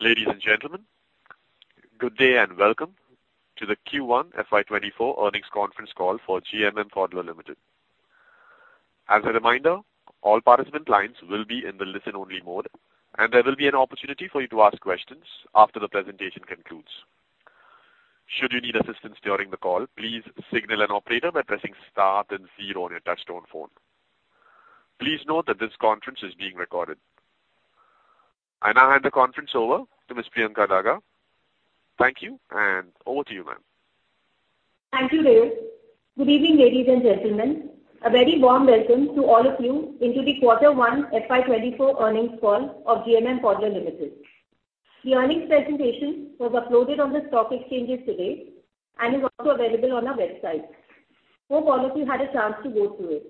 Ladies and gentlemen, good day and welcome to the Q1 FY 2024 earnings conference call for GMM Pfaudler Limited. As a reminder, all participant lines will be in the listen-only mode, and there will be an opportunity for you to ask questions after the presentation concludes. Should you need assistance during the call, please signal an operator by pressing Star then zero on your touchtone phone. Please note that this conference is being recorded. I now hand the conference over to Ms. Priyanka Daga. Thank you, and over to you, ma'am. Thank you, Leo. Good evening, ladies and gentlemen. A very warm welcome to all of you into the Q1 FY 2024 earnings call of GMM Pfaudler Limited. The earnings presentation was uploaded on the stock exchanges today and is also available on our website. Hope all of you had a chance to go through it.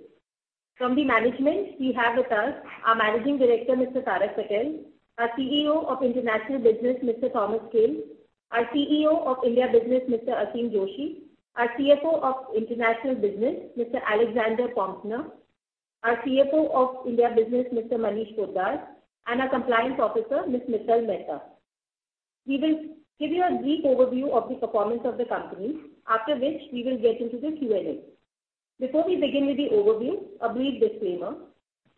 From the management, we have with us our Managing Director, Mr. Tarak Patel; our CEO of International Business, Mr. Thomas Kehl; our CEO of India Business, Mr. Aseem Joshi; our CFO of International Business, Mr. Alexander Poempner; our CFO of India Business, Mr. Manish Poddar; and our Compliance Officer, Ms. Mittal Mehta. We will give you a brief overview of the performance of the company, after which we will get into the Q&A. Before we begin with the overview, a brief disclaimer.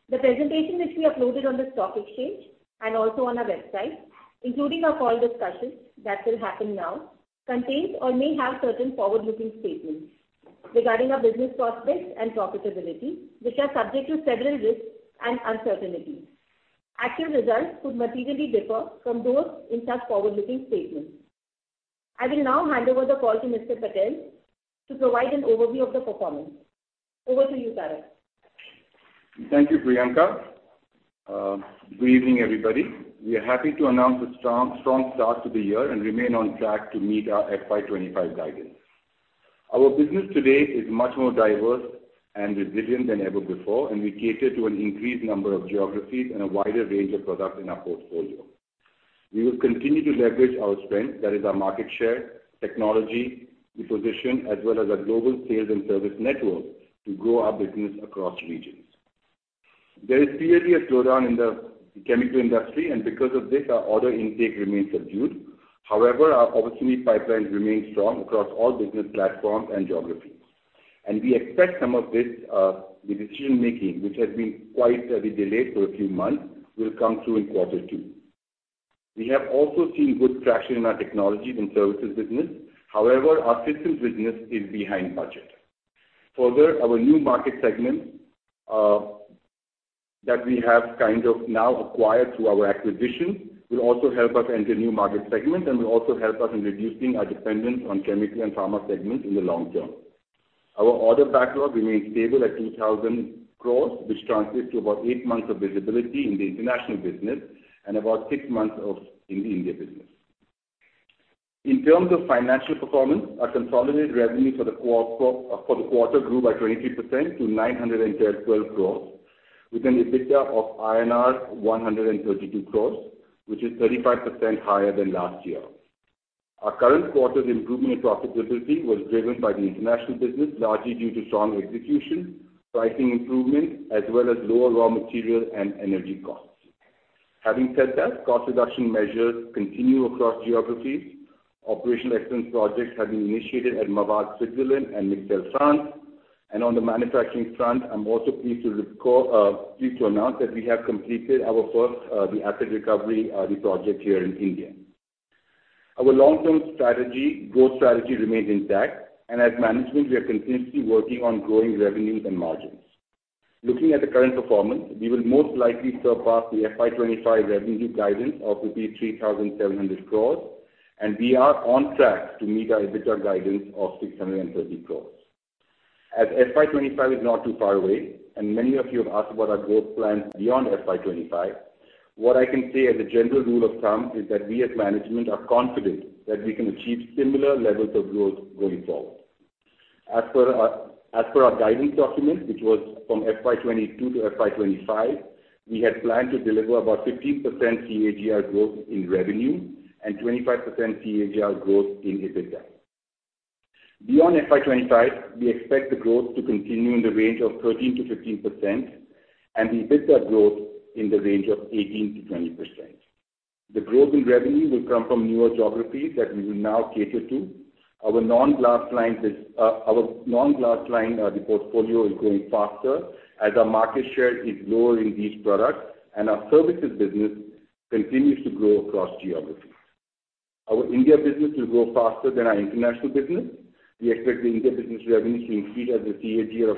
The presentation which we uploaded on the stock exchange and also on our website, including our call discussion that will happen now, contains or may have certain forward-looking statements regarding our business prospects and profitability, which are subject to several risks and uncertainties. Actual results could materially differ from those in such forward-looking statements. I will now hand over the call to Mr. Patel to provide an overview of the performance. Over to you, Tarak. Thank you, Priyanka. Good evening, everybody. We are happy to announce a strong, strong start to the year and remain on track to meet our FY 2025 guidance. Our business today is much more diverse and resilient than ever before, and we cater to an increased number of geographies and a wider range of products in our portfolio. We will continue to leverage our strength, that is, our market share, technology, the position, as well as our global sales and service network, to grow our business across regions. There is clearly a slowdown in the chemical industry, and because of this, our order intake remains subdued. However, our opportunity pipeline remains strong across all business platforms and geographies, and we expect some of this, the decision-making, which has been quite delayed for a few months, will come through in quarter 2. We have also seen good traction in our technologies and services business. However, our systems business is behind budget. Further, our new market segment that we have kind of now acquired through our acquisition, will also help us enter new market segments and will also help us in reducing our dependence on chemical and pharma segments in the long term. Our order backlog remains stable at 2,000 crores, which translates to about eight months of visibility in the international business and about six months of in the India business. In terms of financial performance, our consolidated revenue for the quarter, for the quarter grew by 23% to 912 crores, with an EBITDA of INR 132 crores, which is 35% higher than last year. Our current quarter's improvement in profitability was driven by the international business, largely due to strong execution, pricing improvement, as well as lower raw material and energy costs. Having said that, cost reduction measures continue across geographies. Operational excellence projects have been initiated at Mavag Switzerland and Mixel France, and on the manufacturing front, I'm also pleased to recall, pleased to announce that we have completed our first, the asset recovery, the project here in India. Our long-term strategy, growth strategy remains intact, and as management, we are continuously working on growing revenues and margins. Looking at the current performance, we will most likely surpass the FY 2025 revenue guidance of 3,700 crore, and we are on track to meet our EBITDA guidance of 630 crore. As FY 2025 is not too far away, and many of you have asked about our growth plans beyond FY 2025, what I can say as a general rule of thumb is that we as management are confident that we can achieve similar levels of growth going forward. As per our, as per our guidance document, which was from FY 2022 to FY 2025, we had planned to deliver about 15% CAGR growth in revenue and 25% CAGR growth in EBITDA. Beyond FY 2025, we expect the growth to continue in the range of 13%-15% and the EBITDA growth in the range of 18%-20%. The growth in revenue will come from newer geographies that we will now cater to. Our non-glass lines is... Our non-glass line, the portfolio is growing faster as our market share is lower in these products. Our services business continues to grow across geographies. Our India business will grow faster than our international business. We expect the India business revenue to increase at a CAGR of-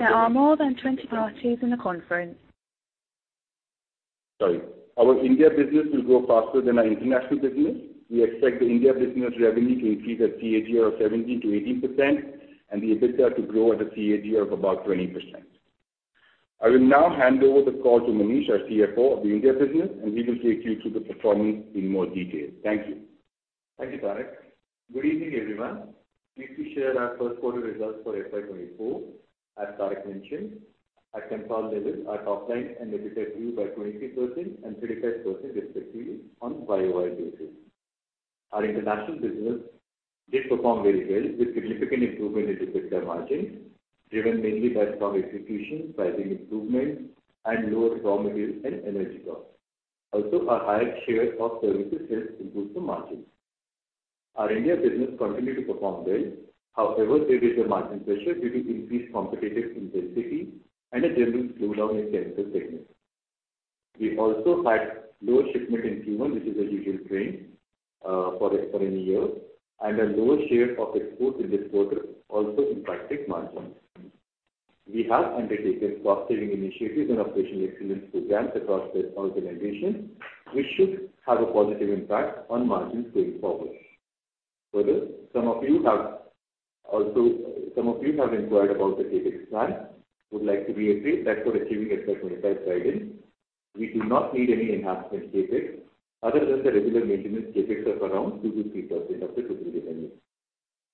Sorry. Our India Business will grow faster than our International Business. We expect the India Business revenue to increase at CAGR of 17%-18% and the EBITDA to grow at a CAGR of about 20%. I will now hand over the call to Manish, our CFO of the India Business, and he will take you through the performance in more detail. Thank you. Thank you, Tarak. Good evening, everyone. Pleased to share our first quarter results for FY 2024. As Tarak mentioned, at consolidated, our top line and EBITDA grew by 23% and 35% respectively on YOY basis. ...Our international business did perform very well, with significant improvement in EBITDA margins, driven mainly by strong execution, pricing improvements, and lower raw material and energy costs. Our higher share of services helped improve the margins. Our India business continued to perform well. However, there is a margin pressure due to increased competitive intensity and a general slowdown in the industrial segment. We also had lower shipment in Q1, which is a usual trend for, for any year, and a lower share of exports in this quarter also impacted margins. We have undertaken cost-saving initiatives and operational excellence programs across the organization, which should have a positive impact on margins going forward. Some of you have some of you have inquired about the CapEx plan. Would like to reiterate that for achieving FY 2025 guidance, we do not need any enhancement CapEx, other than the regular maintenance CapEx of around 2%-3% of the total revenue.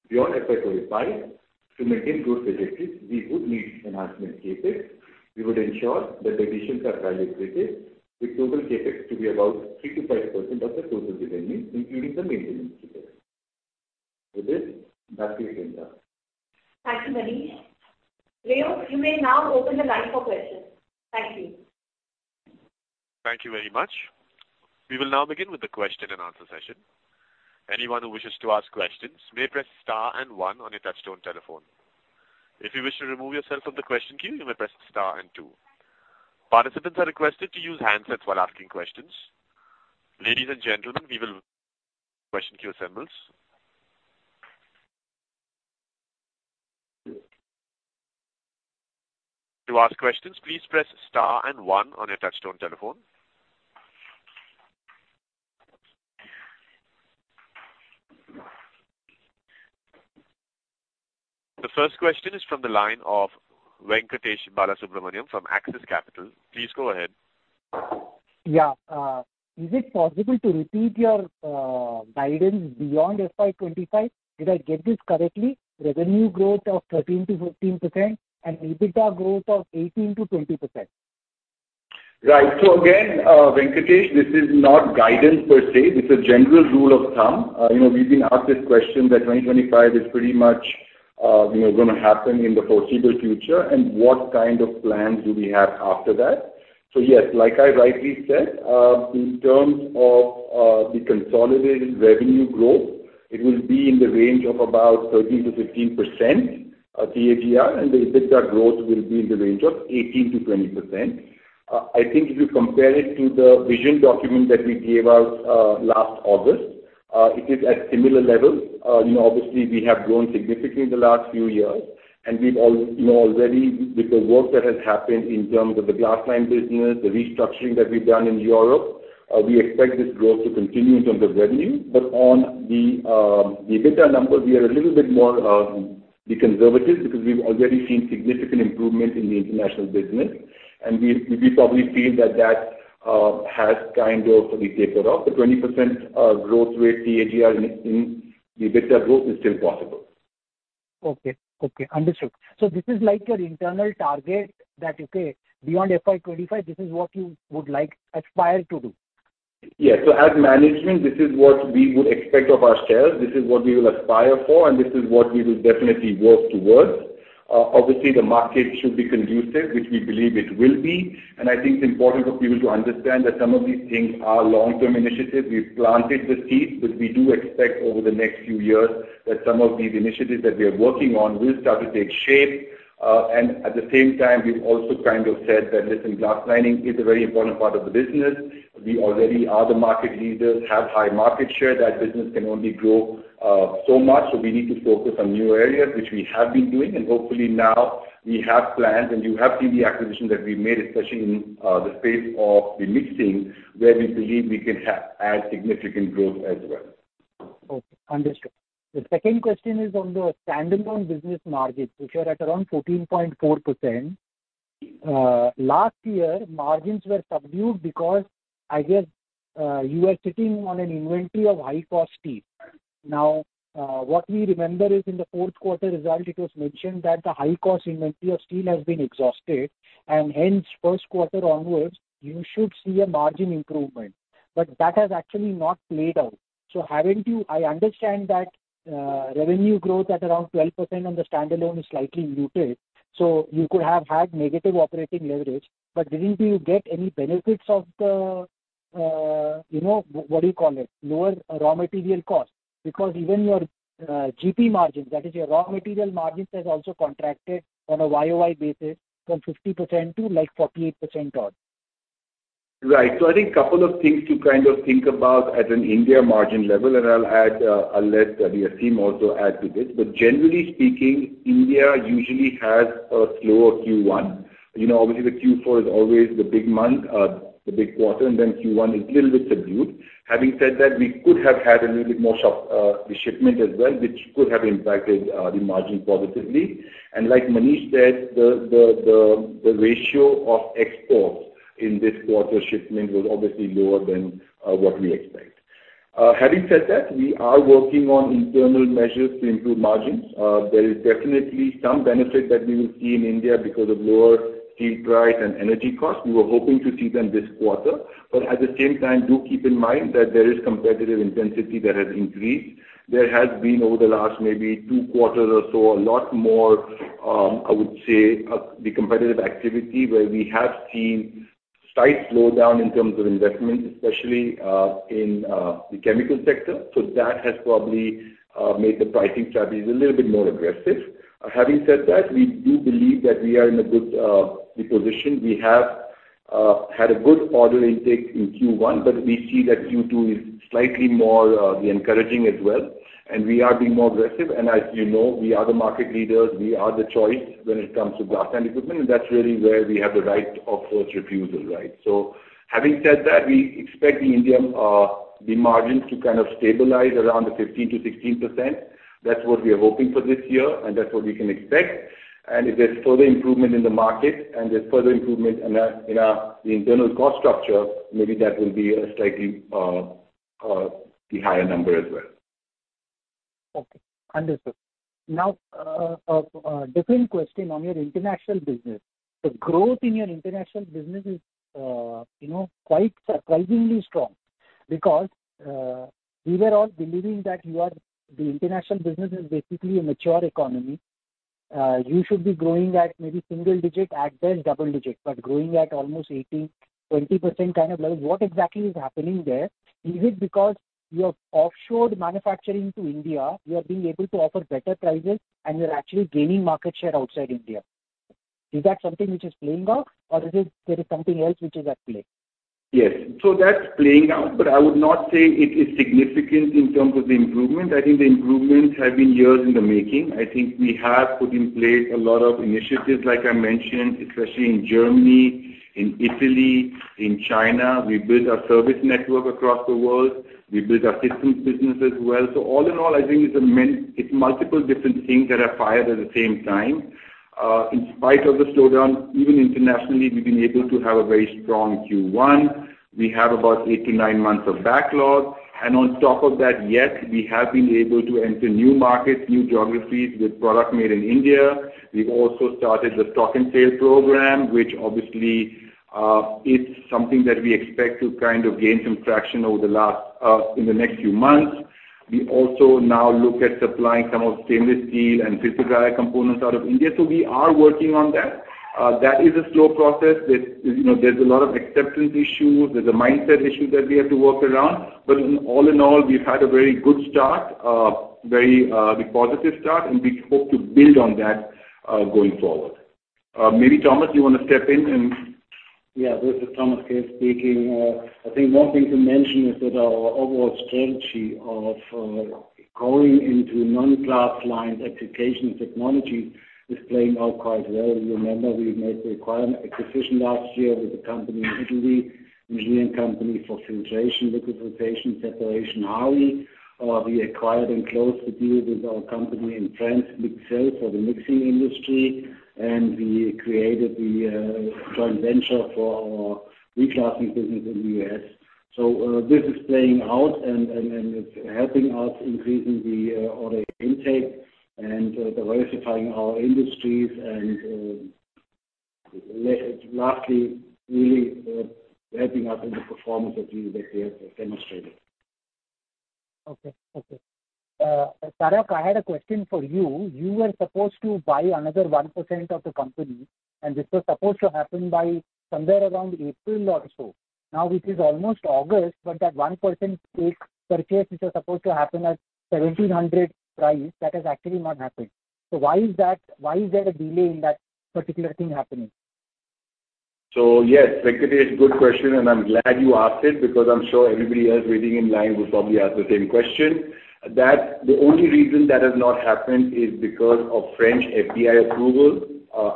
Beyond FY 2025, to maintain growth trajectory, we would need enhancement CapEx. We would ensure that the additions are value creative, with total CapEx to be about 3%-5% of the total revenue, including the maintenance CapEx. With this, back to you, Priyanka. Thank you, Manish. Leo, you may now open the line for questions. Thank you. Thank you very much. We will now begin with the question and answer session. Anyone who wishes to ask questions may press star and one on your touchtone telephone. If you wish to remove yourself from the question queue, you may press star and two. Participants are requested to use handsets while asking questions. Ladies and gentlemen, we will, question queue assembled. To ask questions, please press star and one on your touchtone telephone. The first question is from the line of Venkatesh Balasubramanian from AXIS Capital. Please go ahead. Yeah, is it possible to repeat your guidance beyond FY 2025? Did I get this correctly, revenue growth of 13%-15% and EBITDA growth of 18%-20%? Right. Again, Venkatesh, this is not guidance per se, it's a general rule of thumb. you know, we've been asked this question that 25 is pretty much, you know, gonna happen in the foreseeable future, and what kind of plans do we have after that? Yes, like I rightly said, in terms of, the consolidated revenue growth, it will be in the range of about 13%-15% CAGR, and the EBITDA growth will be in the range of 18%-20%. I think if you compare it to the vision document that we gave out, last August, it is at similar levels. You know, obviously, we have grown significantly in the last few years, and we've you know, already with the work that has happened in terms of the glass-line business, the restructuring that we've done in Europe, we expect this growth to continue in terms of revenue. On the EBITDA numbers, we are a little bit more conservative, because we've already seen significant improvement in the international business, and we, we probably feel that that has kind of tapered off. The 20% growth rate CAGR in the EBITDA growth is still possible. Okay. Okay, understood. This is like your internal target that, you say, beyond FY 25, this is what you would like aspire to do? Yeah. As management, this is what we would expect of ourselves. This is what we will aspire for, and this is what we will definitely work towards. Obviously, the market should be conducive, which we believe it will be. I think it's important for people to understand that some of these things are long-term initiatives. We've planted the seeds, but we do expect over the next few years that some of these initiatives that we are working on will start to take shape. At the same time, we've also kind of said that, listen, glass lining is a very important part of the business. We already are the market leaders, have high market share. That business can only grow so much, so we need to focus on new areas, which we have been doing. Hopefully now we have plans, and you have seen the acquisitions that we made, especially in the space of remixing, where we believe we can add significant growth as well. Okay, understood. The second question is on the standalone business margins, which are at around 14.4%. Last year, margins were subdued because I guess, you were sitting on an inventory of high-cost steel. Now, what we remember is in the fourth quarter result, it was mentioned that the high-cost inventory of steel has been exhausted, and hence, first quarter onwards, you should see a margin improvement. That has actually not played out. I understand that revenue growth at around 12% on the standalone is slightly muted, so you could have had negative operating leverage. Didn't you get any benefits of the, you know, what do you call it? Lower raw material cost, because even your GP margins, that is your raw material margins, has also contracted on a YOY basis from 50% to, like, 48% odd. Right. I think couple of things to kind of think about at an India margin level, and I'll add, I'll let Aseem also add to this. Generally speaking, India usually has a slower Q1. You know, obviously the Q4 is always the big month, the big quarter, and then Q1 is little bit subdued. Having said that, we could have had a little bit more shop, shipment as well, which could have impacted the margin positively. Like Manish said, the, the, the, the ratio of exports in this quarter's shipment was obviously lower than what we expect. Having said that, we are working on internal measures to improve margins. There is definitely some benefit that we will see in India because of lower steel price and energy costs. We were hoping to see them this quarter. At the same time, do keep in mind that there is competitive intensity that has increased. There has been, over the last maybe two quarters or so, a lot more, I would say, the competitive activity, where we have seen slight slowdown in terms of investment, especially, in the chemical sector. That has probably made the pricing strategies a little bit more aggressive. Having said that, we do believe that we are in a good position. We have had a good order intake in Q1, but we see that Q2 is slightly more encouraging as well, and we are being more aggressive. As you know, we are the market leaders, we are the choice when it comes to glass and equipment, and that's really where we have the right of first refusal, right? Having said that, we expect the India, the margins to kind of stabilize around the 15%-16%. That's what we are hoping for this year, and that's what we can expect. If there's further improvement in the market and there's further improvement in our, in our, the internal cost structure, maybe that will be a slightly, the higher number as well. Okay, understood. Now, a different question on your international business. The growth in your international business is, you know, quite surprisingly strong. Because, we were all believing that the international business is basically a mature economy. You should be growing at maybe single digit, at best double digit, but growing at almost 18%-20%, kind of like, what exactly is happening there? Is it because you have offshored manufacturing to India, you are being able to offer better prices and you're actually gaining market share outside India? Is that something which is playing out, or is it there is something else which is at play? Yes. That's playing out, but I would not say it is significant in terms of the improvement. I think the improvements have been years in the making. I think we have put in place a lot of initiatives, like I mentioned, especially in Germany, in Italy, in China. We built our service network across the world. We built our systems business as well. All in all, I think it's a many- it's multiple different things that are fired at the same time. In spite of the slowdown, even internationally, we've been able to have a very strong Q1. We have about 8-9 months of backlog, and on top of that, yes, we have been able to enter new markets, new geographies, with product made in India. We've also started the stock and sale program, which obviously, is something that we expect to kind of gain some traction over the last, in the next few months. We also now look at supplying some of stainless steel and physical components out of India, so we are working on that. That is a slow process. There's, you know, there's a lot of acceptance issues, there's a mindset issue that we have to work around. In, all in all, we've had a very good start, very, positive start, and we hope to build on that, going forward. Maybe, Thomas, you want to step in and- Yeah, this is Thomas Kehl speaking. I think one thing to mention is that our overall strategy of going into non-glass line application technology is playing out quite well. You remember, we made the requirement acquisition last year with a company in Italy, an Italian company for filtration, liquidization, separation, Howie. We acquired and closed the deal with our company in France, Mixel, for the mixing industry, and we created the joint venture for our reglassing business in the U.S. This is playing out and, and, and it's helping us increasing the order intake and diversifying our industries and lastly, really, helping us in the performance that we have demonstrated. Okay. Okay. Tarak, I had a question for you. You were supposed to buy another 1% of the company. This was supposed to happen by somewhere around April or so. Now, it is almost August. That 1% take purchase, which was supposed to happen at 1,700 price, that has actually not happened. Why is that? Why is there a delay in that particular thing happening? Yes, Venkatesh, it's a good question, and I'm glad you asked it, because I'm sure everybody else waiting in line will probably ask the same question. The only reason that has not happened is because of French FDI approval.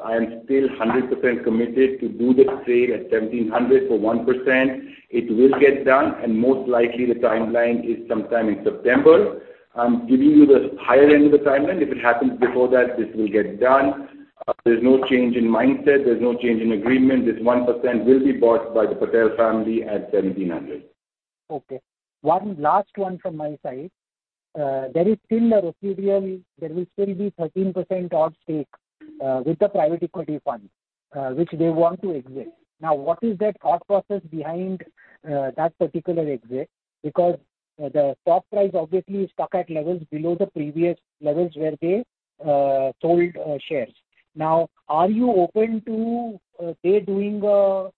I am still 100% committed to do the trade at 1,700 for 1%. It will get done, and most likely the timeline is sometime in September. I'm giving you the higher end of the timeline. If it happens before that, this will get done. There's no change in mindset. There's no change in agreement. This 1% will be bought by the Patel family at 1,700. Okay. One last one from my side. There is still a residual, there will still be 13% odd stake with the private equity fund, which they want to exit. What is that thought process behind that particular exit? Because the stock price obviously is stuck at levels below the previous levels where they sold shares. Are you open to they doing a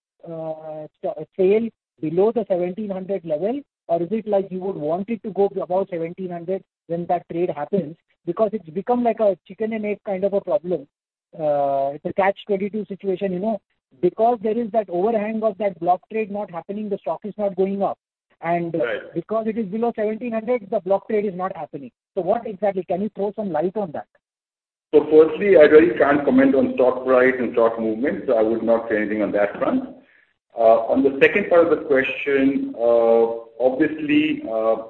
sale below the 1,700 level? Or is it like you would want it to go to above 1,700 when that trade happens? Because it's become like a chicken and egg kind of a problem. It's a catch-22 situation, you know? Because there is that overhang of that block trade not happening, the stock is not going up. Right. Because it is below 1,700, the block trade is not happening. What exactly, can you throw some light on that? Firstly, I really can't comment on stock price and stock movements, so I would not say anything on that front. On the second part of the question, obviously,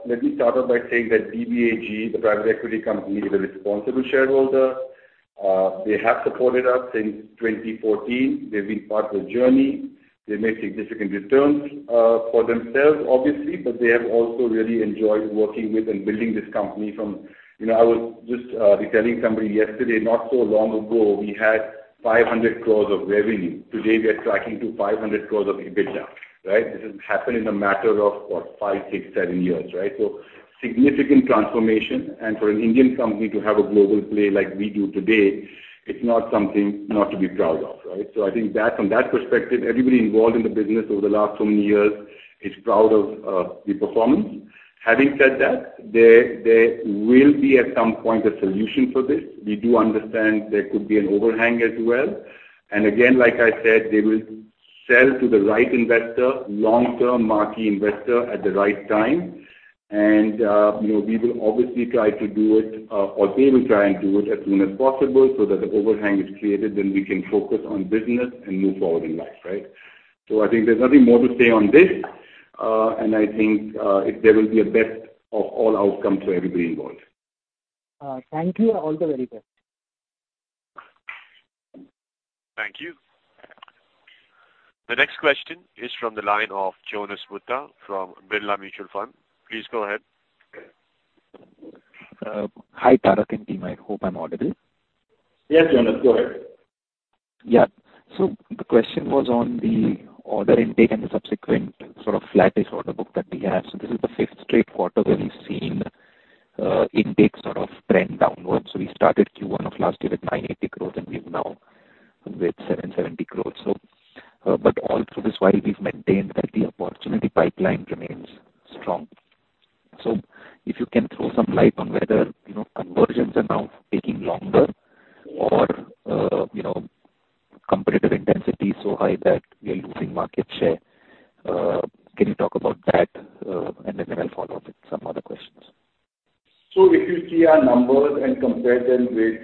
let me start off by saying that DBAG, the private equity company, is a responsible shareholder. They have supported us since 2014. They've been part of the journey. They made significant returns, for themselves, obviously, but they have also really enjoyed working with and building this company from. You know, I was just telling somebody yesterday, not so long ago, we had 500 crore of revenue. Today, we are tracking to 500 crore of EBITDA, right? This has happened in a matter of, what, 5, 6, 7 years, right? Significant transformation, and for an Indian company to have a global play like we do today, it's not something not to be proud of, right? I think that from that perspective, everybody involved in the business over the last so many years is proud of the performance. Having said that, there, there will be, at some point, a solution for this. We do understand there could be an overhang as well. Again, like I said, they will sell to the right investor, long-term marquee investor at the right time. You know, we will obviously try to do it, or they will try and do it as soon as possible so that the overhang is created, then we can focus on business and move forward in life, right? I think there's nothing more to say on this, and I think, there will be a best of all outcomes for everybody involved. Thank you, and all the very best. Thank you. The next question is from the line of Jonas Bhutta from Birla Mutual Fund. Please go ahead. Hi, Tarak and team. I hope I'm audible. Yes, Jonas, go ahead. Yeah. The question was on the order intake and the subsequent sort of flattish order book that we have. This is the fifth straight quarter where we've seen intake sort of trend downwards. We started Q1 of last year with 980 crore, and we're now with 770 crore. All through this while, we've maintained that the opportunity pipeline remains strong. If you can throw some light on whether, you know, conversions are now taking longer or, you know, competitive intensity is so high that we are losing market share. Can you talk about that, then I'll follow with some other questions. If you see our numbers and compare them with,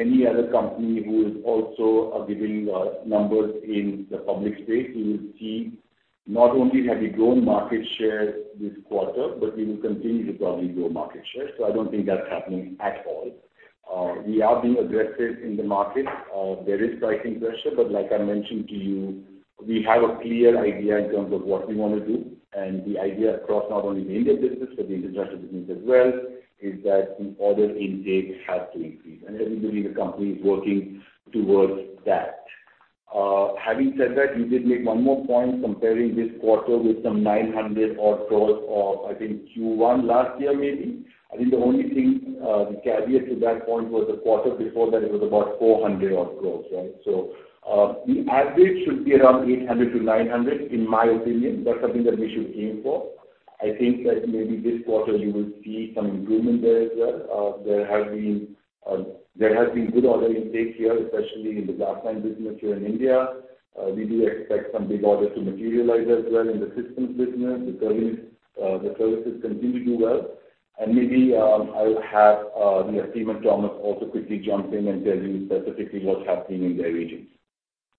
any other company who is also, giving, numbers in the public space, you will see not only have we grown market share this quarter, but we will continue to probably grow market share. I don't think that's happening at all. We are being aggressive in the market. There is pricing pressure, but like I mentioned to you, we have a clear idea in terms of what we want to do. The idea across not only the India business but the international business as well, is that the order intake has to increase, and everybody in the company is working towards that. Having said that, you did make one more point comparing this quarter with some 900 odd crore of, I think, Q1 last year, maybe. I think the only thing, the caveat to that point was the quarter before that, it was about 400 odd crore, right? The average should be around 800-900, in my opinion. That's something that we should aim for. I think that maybe this quarter you will see some improvement there as well. There have been, there has been good order intake here, especially in the pipeline business here in India. We do expect some big orders to materialize as well in the systems business. The services, the services continue to do well. Maybe I'll have the team and Thomas also quickly jump in and tell you specifically what's happening in their regions.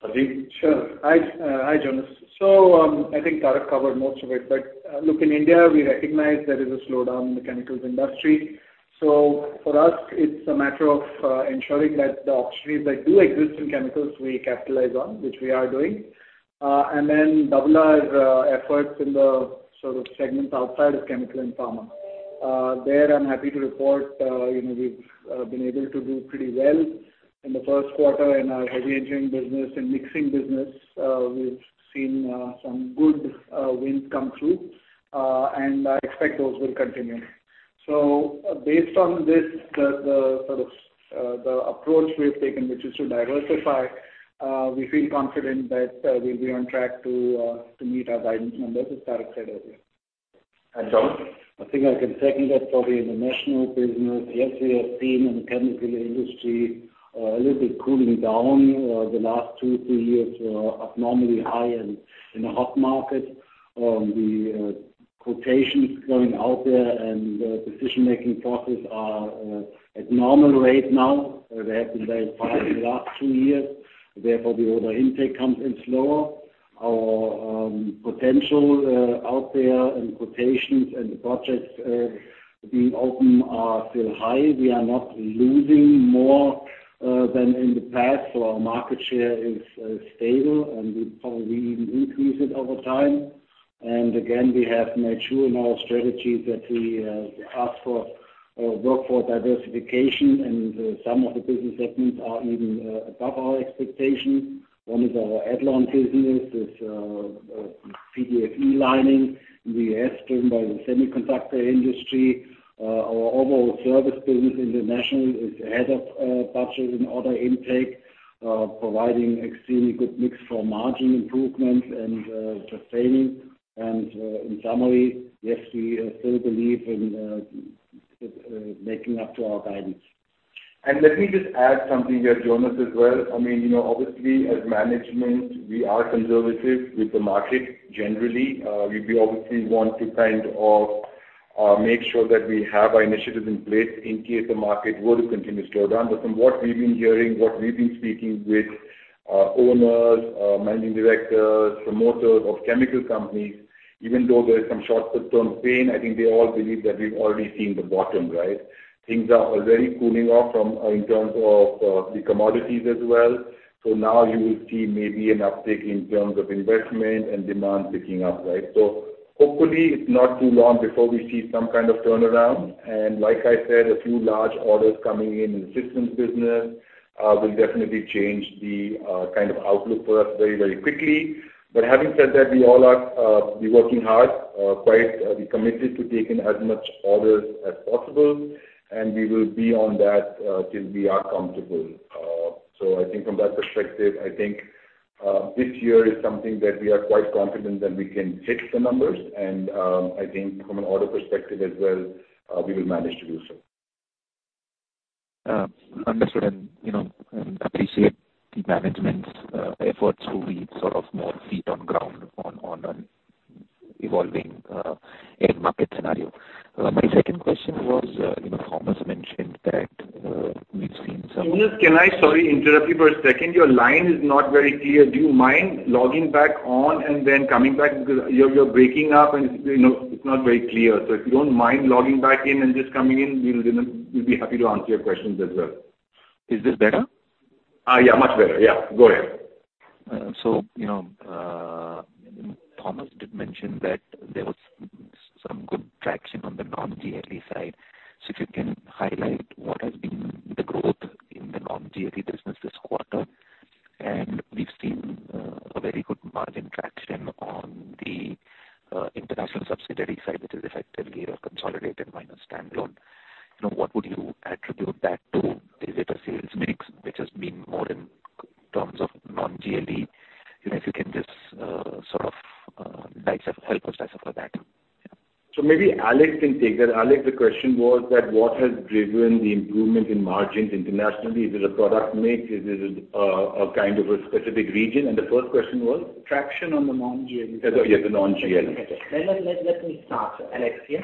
Aseem? Sure. Hi, hi, Jonas. I think Tarak covered most of it, but look, in India, we recognize there is a slowdown in the chemicals industry. For us, it's a matter of ensuring that the opportunities that do exist in chemicals, we capitalize on, which we are doing. Then double our efforts in the sort of segments outside of chemical and pharma. There, I'm happy to report, you know, we've been able to do pretty well in the first quarter in our heavy engineering business and mixing business. We've seen some good wins come through, I expect those will continue. Based on this, the, the, sort of, the approach we have taken, which is to diversify, we feel confident that, we'll be on track to meet our guidance numbers, as Tarak said earlier. Thomas? I think I can second that. Probably in the national business, yes, we have seen in the chemical industry, a little bit cooling down. The last two, three years were abnormally high and in a hot market. The quotations going out there and the decision-making processes are at normal rate now. They have been very fast in the last two years. Therefore, the order intake comes in slower. Our potential out there and quotations and the projects being open are still high. We are not losing more than in the past, so our market share is stable, and we probably even increase it over time. Again, we have made sure in our strategy that we ask for, work for diversification, and some of the business segments are even above our expectation. One is our add-on business with PTFE lining. We are asked in by the semiconductor industry. Our overall service business international is ahead of budget and order intake, providing extremely good mix for margin improvement and sustaining. In summary, yes, we still believe in making up to our guidance. Let me just add something here, Jonas, as well. I mean, you know, obviously, as management, we are conservative with the market generally. We'd be obviously want to kind of make sure that we have our initiatives in place in case the market were to continue to slow down. From what we've been hearing, what we've been speaking with owners, managing directors, promoters of chemical companies. Even though there is some short-term pain, I think we all believe that we've already seen the bottom, right? Things are already cooling off from in terms of the commodities as well. Now you will see maybe an uptick in terms of investment and demand picking up, right? Hopefully, it's not too long before we see some kind of turnaround. Like I said, a few large orders coming in, in the systems business, will definitely change the kind of outlook for us very, very quickly. Having said that, we all are, we're working hard, quite, we're committed to taking as much orders as possible, and we will be on that, till we are comfortable. I think from that perspective, I think, this year is something that we are quite confident that we can hit the numbers. I think from an order perspective as well, we will manage to do so. Understood, you know, appreciate the management's efforts to be sort of more feet on ground on, on an evolving, end market scenario. My second question was, you know, Thomas mentioned that, we've seen some- Can I, sorry, interrupt you for a second? Your line is not very clear. Do you mind logging back on and then coming back? Because you're, you're breaking up, and, you know, it's not very clear. If you don't mind logging back in and just coming in, we will, you know, we'll be happy to answer your questions as well. Is this better? Yeah, much better. Yeah, go ahead. You know, Thomas did mention that there was some good traction on the non-GLE side. If you can highlight what has been the growth in the non-GLE business this quarter? We've seen a very good margin traction on the international subsidiary side, which is effectively your consolidated minus standalone. What would you attribute that to the greater sales mix, which has been more in terms of non-GLE? You know, if you can just sort of guide us, help us decipher that. Yeah. Maybe Alex can take that. Alex, the question was that what has driven the improvement in margins internationally? Is it a product mix? Is it a kind of a specific region? The first question was? Traction on the non-GLE. Yeah, the non-GLE. Let me start, Alex, yeah.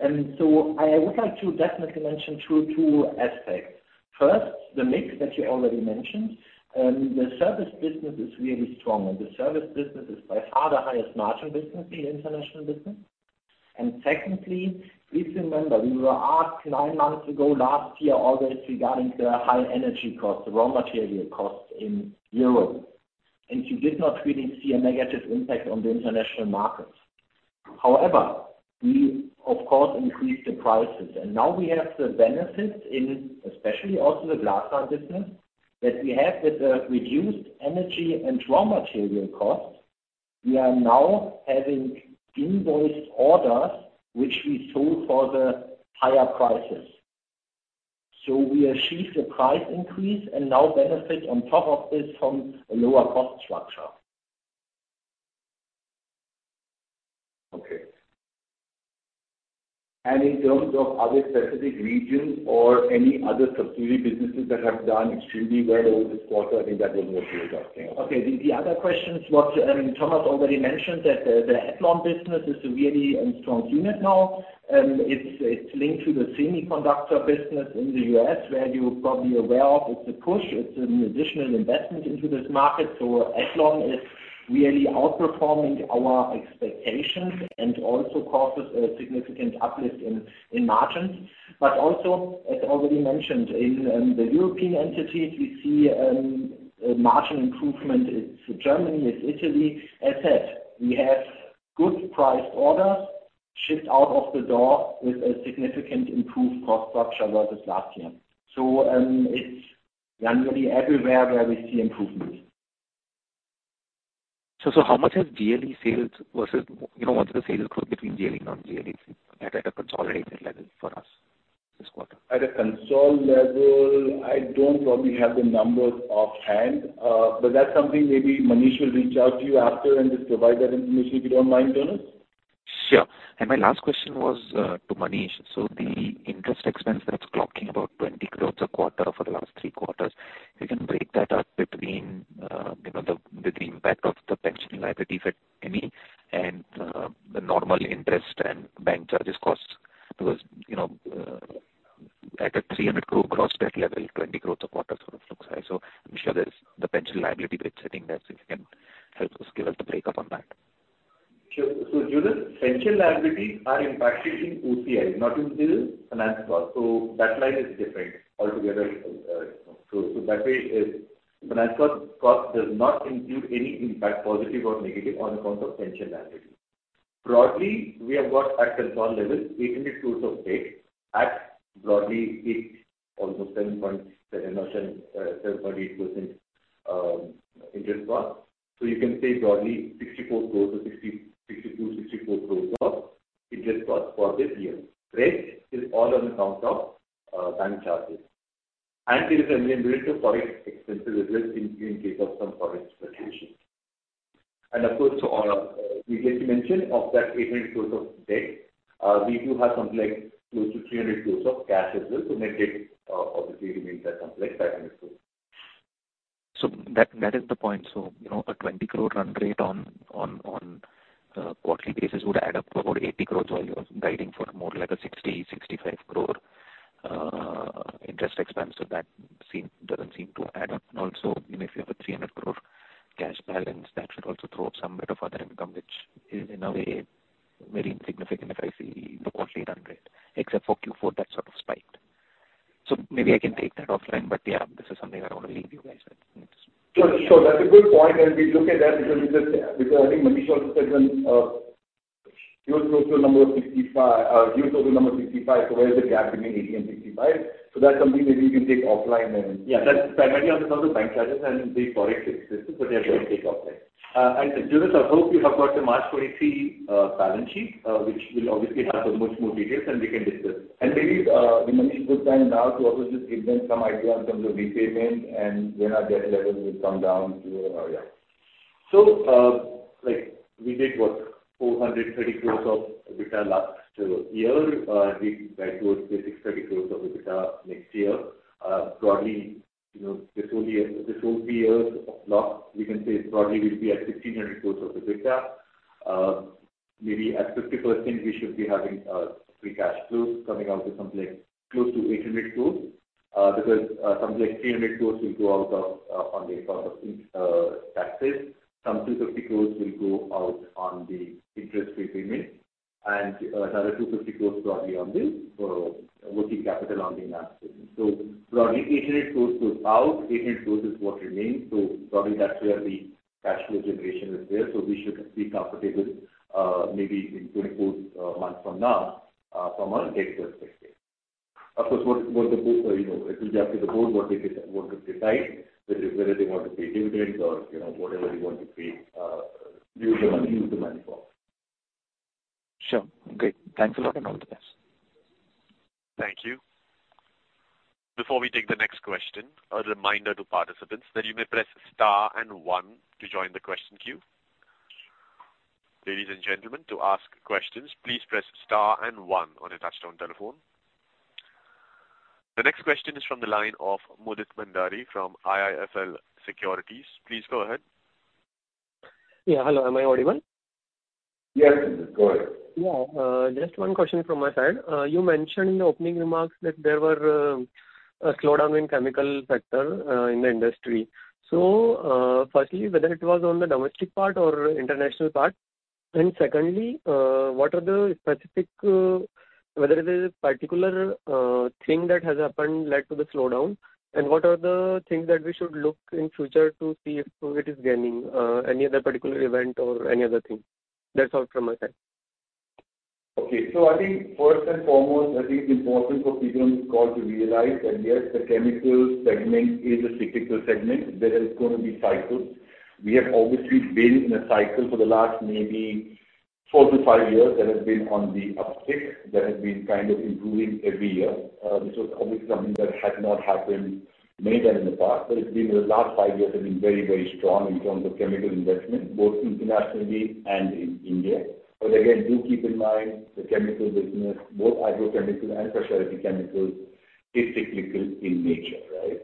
I would like to definitely mention two aspects. First, the mix that you already mentioned, the service business is really strong, and the service business is by far the highest margin business in international business. Secondly, please remember, we were asked nine months ago, last year, August, regarding the high energy costs, raw material costs in Europe, and you did not really see a negative impact on the international markets. However, we, of course, increased the prices, and now we have the benefit in, especially also the glass business, that we have with the reduced energy and raw material costs, we are now having invoiced orders, which we sold for the higher prices. We achieved the price increase and now benefit on top of this from a lower cost structure. Okay. In terms of other specific regions or any other subsidiary businesses that have done extremely well over this quarter, I think that will be good, I think. Okay. The, the other question is what Thomas already mentioned, that the Mavag business is a really strong unit now. It's, it's linked to the semiconductor business in the U.S., where you're probably aware of it's a push, it's an additional investment into this market. Mavag is really outperforming our expectations and also causes a significant uplift in, in margins. Also, as already mentioned, in the European entities, we see a margin improvement. It's Germany, it's Italy. As said, we have good priced orders shipped out of the door with a significant improved cost structure versus last year. It's generally everywhere where we see improvement. How much has GLE sales versus, you know, what's the sales growth between GLE and non-GLE at a consolidated level for us this quarter? At a console level, I don't probably have the numbers offhand, but that's something maybe Manish will reach out to you after and just provide that information, if you don't mind, Jonas. Sure. My last question was to Manish. The interest expense that's clocking about 20 crore a quarter for the last 3 quarters, you can break that up between, you know, the, the impact of the pension liability, if any, and the normal interest and bank charges costs. You know, at a 300 crore cross debt level, 20 crore a quarter sort of looks high. I'm sure there's the pension liability bit sitting there, so if you can help us, give us the breakup on that. Sure. Jonas, pension liabilities are impacted in OCI, not in the finance cost, so that line is different altogether. So that way, finance cost does not include any impact, positive or negative, on account of pension liability. Broadly, we have got at console level, 800 crore of debt at broadly eight, almost 7.8% interest cost. You can say broadly 64 crore to INR 60, 62, 64 crore of interest cost for this year. Rest is all on account of bank charges. There is a little bit of foreign expenses as well in, in case of some foreign situations. Of course, we get to mention of that 800 crore of debt, we do have something like close to 300 crore of cash as well. Net debt, obviously remains at something like 500 crores. That, that is the point. You know, a 20 crore run rate on, on, on, quarterly basis would add up to about 80 crore, while you are guiding for more like a 60-65 crore interest expense, so that seem, doesn't seem to add up. Also, even if you have a 300 crore cash balance, that should also throw up some bit of other income, which is in a way very insignificant if I see the quarterly run rate, except for Q4, that sort of spiked. Maybe I can take that offline, but yeah, this is something I want to leave you guys with. Sure, sure. That's a good point. We look at that because, because I think Manish also said when year-on-year number was 65, year-on-year number 65, where is the gap between 80 and 65? That's something maybe we can take offline then. Yeah, that's primarily on account of bank charges, and they correct it, but they're going to take off that. Jonas, I hope you have got the March 23 balance sheet, which will obviously have the much more details, and we can discuss. Maybe, Manish, good time now to also just give them some idea on some of the repayment and when our debt levels will come down to, yeah. We did, what? 430 crore of EBITDA last year. We back towards the 630 crore of EBITDA next year. Broadly, you know, this whole year, this whole three years of block, we can say it broadly will be at 1,500 crore of EBITDA. Maybe at 50%, we should be having free cash flows coming out to something close to 800 crore. Because, something like 300 crore will go out of on the taxes. Some 250 crore will go out on the interest repayment, and another 250 crore broadly on the working capital on the margin. Broadly, 800 crore goes out, 800 crore is what remains. Broadly, that's where the cash flow generation is there, so we should be comfortable, maybe in 24 months from now, from a debt perspective. Of course, what, what the board, you know, it will be up to the board, what they get, want to decide, whether, whether they want to pay dividends or, you know, whatever they want to pay, use the money for. Sure. Great. Thanks a lot. All the best. Thank you. Before we take the next question, a reminder to participants that you may press star and one to join the question queue. Ladies and gentlemen, to ask questions, please press star and one on your touchtone telephone. The next question is from the line of Mudit Bhandari from IIFL Securities. Please go ahead. Yeah, hello. Am I audible? Yes, go ahead. Yeah, just one question from my side. You mentioned in the opening remarks that there were a slowdown in chemical sector in the industry. Firstly, whether it was on the domestic part or international part? Secondly, what are the specific, whether it is a particular thing that has happened led to the slowdown? What are the things that we should look in future to see if it is gaining any other particular event or any other thing? That's all from my side. Okay. I think first and foremost, I think it's important for people on this call to realize that, yes, the chemical segment is a cyclical segment. There is going to be cycles. We have obviously been in a cycle for the last maybe 4 to 5 years that has been on the uptick, that has been kind of improving every year. This was obviously something that had not happened maybe in the past, but it's been the last 5 years have been very, very strong in terms of chemical investment, both internationally and in India. Again, do keep in mind, the chemical business, both agrochemicals and specialty chemicals, is cyclical in nature, right?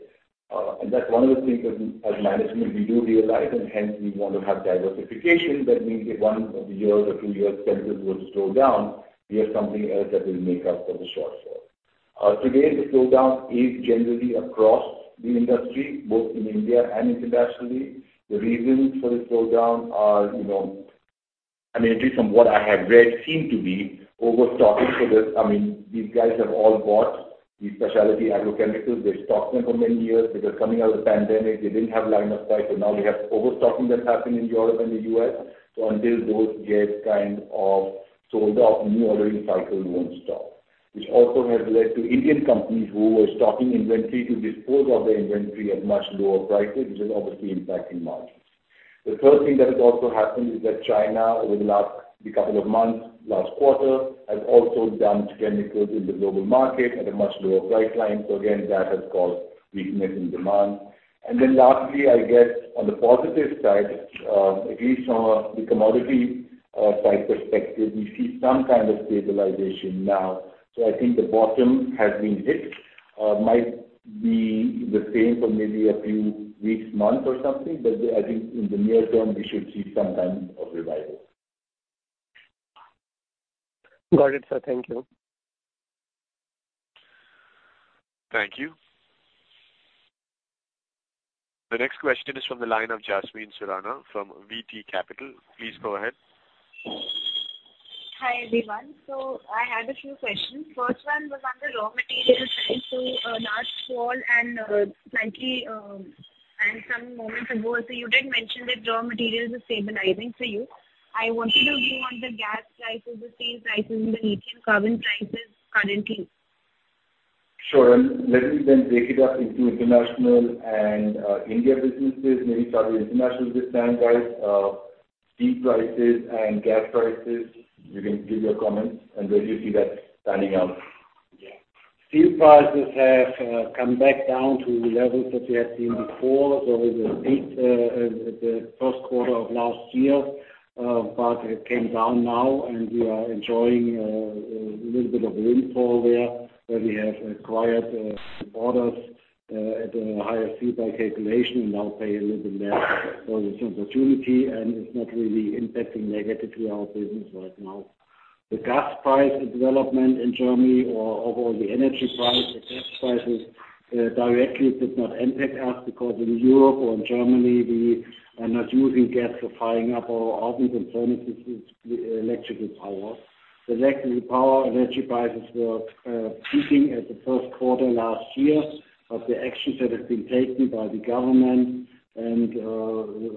And that's one of the things that we, as management, we do realize, and hence we want to have diversification. That means if one year or two years, chemicals would slow down, we have something else that will make up for the shortfall. Today, the slowdown is generally across the industry, both in India and internationally. The reasons for the slowdown are, you know, I mean, at least from what I have read, seem to be overstocking for this. I mean, these guys have all bought these specialty agrochemicals. They've stocked them for many years. Because coming out of the pandemic, they didn't have line of sight, so now they have overstocking that's happened in Europe and the US. Until those get kind of sold off, new ordering cycle won't start. Also has led to Indian companies who were stocking inventory to dispose of their inventory at much lower prices, which is obviously impacting margins. The third thing that has also happened is that China, over the last couple of months, last quarter, has also dumped chemicals in the global market at a much lower price line. Again, that has caused weakness in demand. Lastly, I guess, on the positive side, at least on the commodity price perspective, we see some kind of stabilization now. I think the bottom has been hit. Might be the same for maybe a few weeks, months or something, but I think in the near term, we should see some kind of revival. Got it, sir. Thank you. Thank you. The next question is from the line of Jasmine Surana from VT Capital. Please go ahead. Hi, everyone. I had a few questions. First one was on the raw material side. Last fall and lately and some moments ago, you did mention that raw materials are stabilizing for you. I wanted to know on the gas prices, the steel prices, and the Lithium Carbonate prices currently. Sure. let me then break it up into international and India businesses. Maybe start with international this time, guys. steel prices and gas prices, you can give your comments and where do you see that panning out? Yeah. Steel prices have come back down to the levels that we had seen before, so it was the 1st quarter of last year. It came down now, and we are enjoying a little bit of windfall there, where we have acquired orders at a higher steel price calculation and now pay a little bit less for this opportunity, and it's not really impacting negatively our business right now. The gas price development in Germany or overall the energy price, the gas prices directly does not impact us, because in Europe or in Germany, we are not using gas for firing up our ovens and furnaces, it's, it's electrical power. The electrical power energy prices were peaking at the first quarter last year, the actions that have been taken by the government and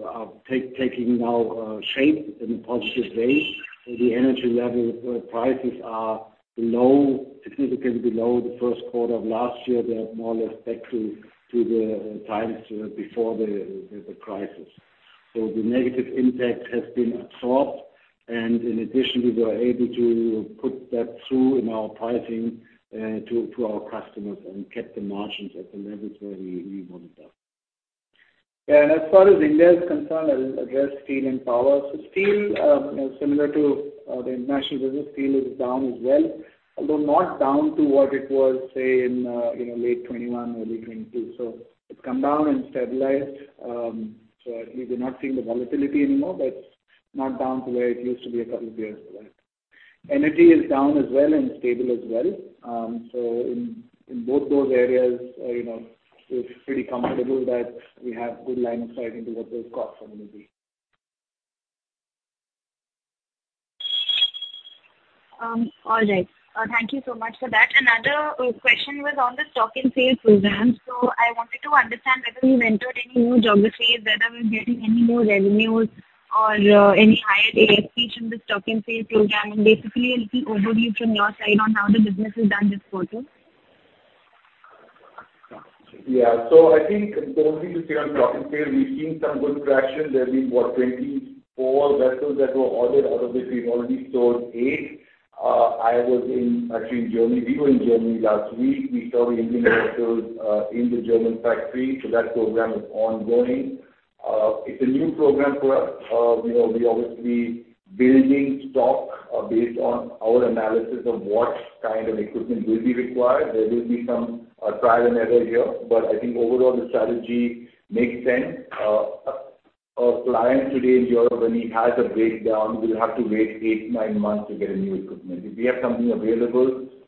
are take, taking now shape in a positive way. The energy level prices are low, significantly below the first quarter of last year. They are more or less back to, to the times before the crisis. The negative impact has been absorbed, and in addition, we were able to put that through in our pricing to, to our customers and kept the margins at the levels where we, we wanted them. As far as India is concerned, I'll address steel and power. Steel, similar to the international business, steel is down as well, although not down to what it was, say, in late 2021, early 2022. It's come down and stabilized, at least we're not seeing the volatility anymore, but not down to where it used to be a couple of years back. Energy is down as well and stable as well. In both those areas, we're pretty comfortable that we have good line of sight into what those costs are going to be. All right. Thank you so much for that. Another question was on the stock and sale program. I wanted to understand whether we've entered any new geographies, whether we're getting any more revenues or any higher ASPs in the stock and sale program, and basically a little overview from your side on how the business is done this quarter? Yeah. I think importantly to say on stock and sale, we've seen some good traction. There's been, what, 24 vessels that were ordered. Out of which we've already stored 8. I was in, actually, in Germany. We were in Germany last week. We saw the Indian vessels in the German factory, so that program is ongoing. It's a new program for us. You know, we're obviously building stock based on our analysis of what kind of equipment will be required. There will be some trial and error here, but I think overall, the strategy makes sense. A client today in Europe, when he has a breakdown, will have to wait 8-9 months to get a new equipment. If we have something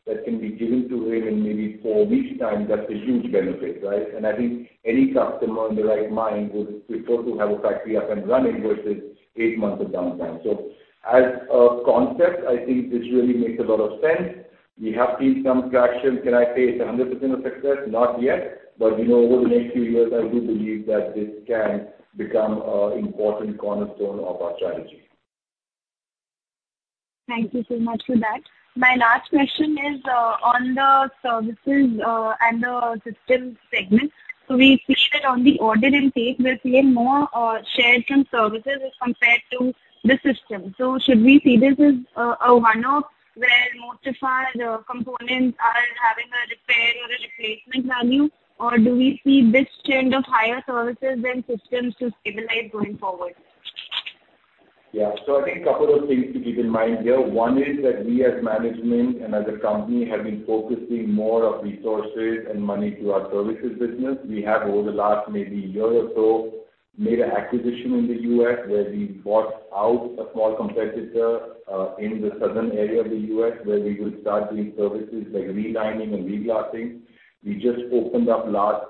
available that can be given to him in maybe 4 weeks time, that's a huge benefit, right? I think any customer in their right mind would prefer to have a factory up and running versus eight months of downtime. As a concept, I think this really makes a lot of sense. We have seen some traction. Can I say it's 100% a success? Not yet, but, you know, over the next few years, I do believe that this can become a important cornerstone of our strategy. Thank you so much for that. My last question is on the services and the systems segment. We see that on the order intake, we're seeing more share from services as compared to the system. Should we see this as a one-off, where most of our components are having a repair or a replacement value, or do we see this trend of higher services than systems to stabilize going forward? Yeah. I think a couple of things to keep in mind here. One is that we as management and as a company, have been focusing more of resources and money to our services business. We have, over the last maybe year or so, made an acquisition in the US, where we bought out a small competitor in the southern area of the US, where we will start doing services like relining and reglassing. We just opened up last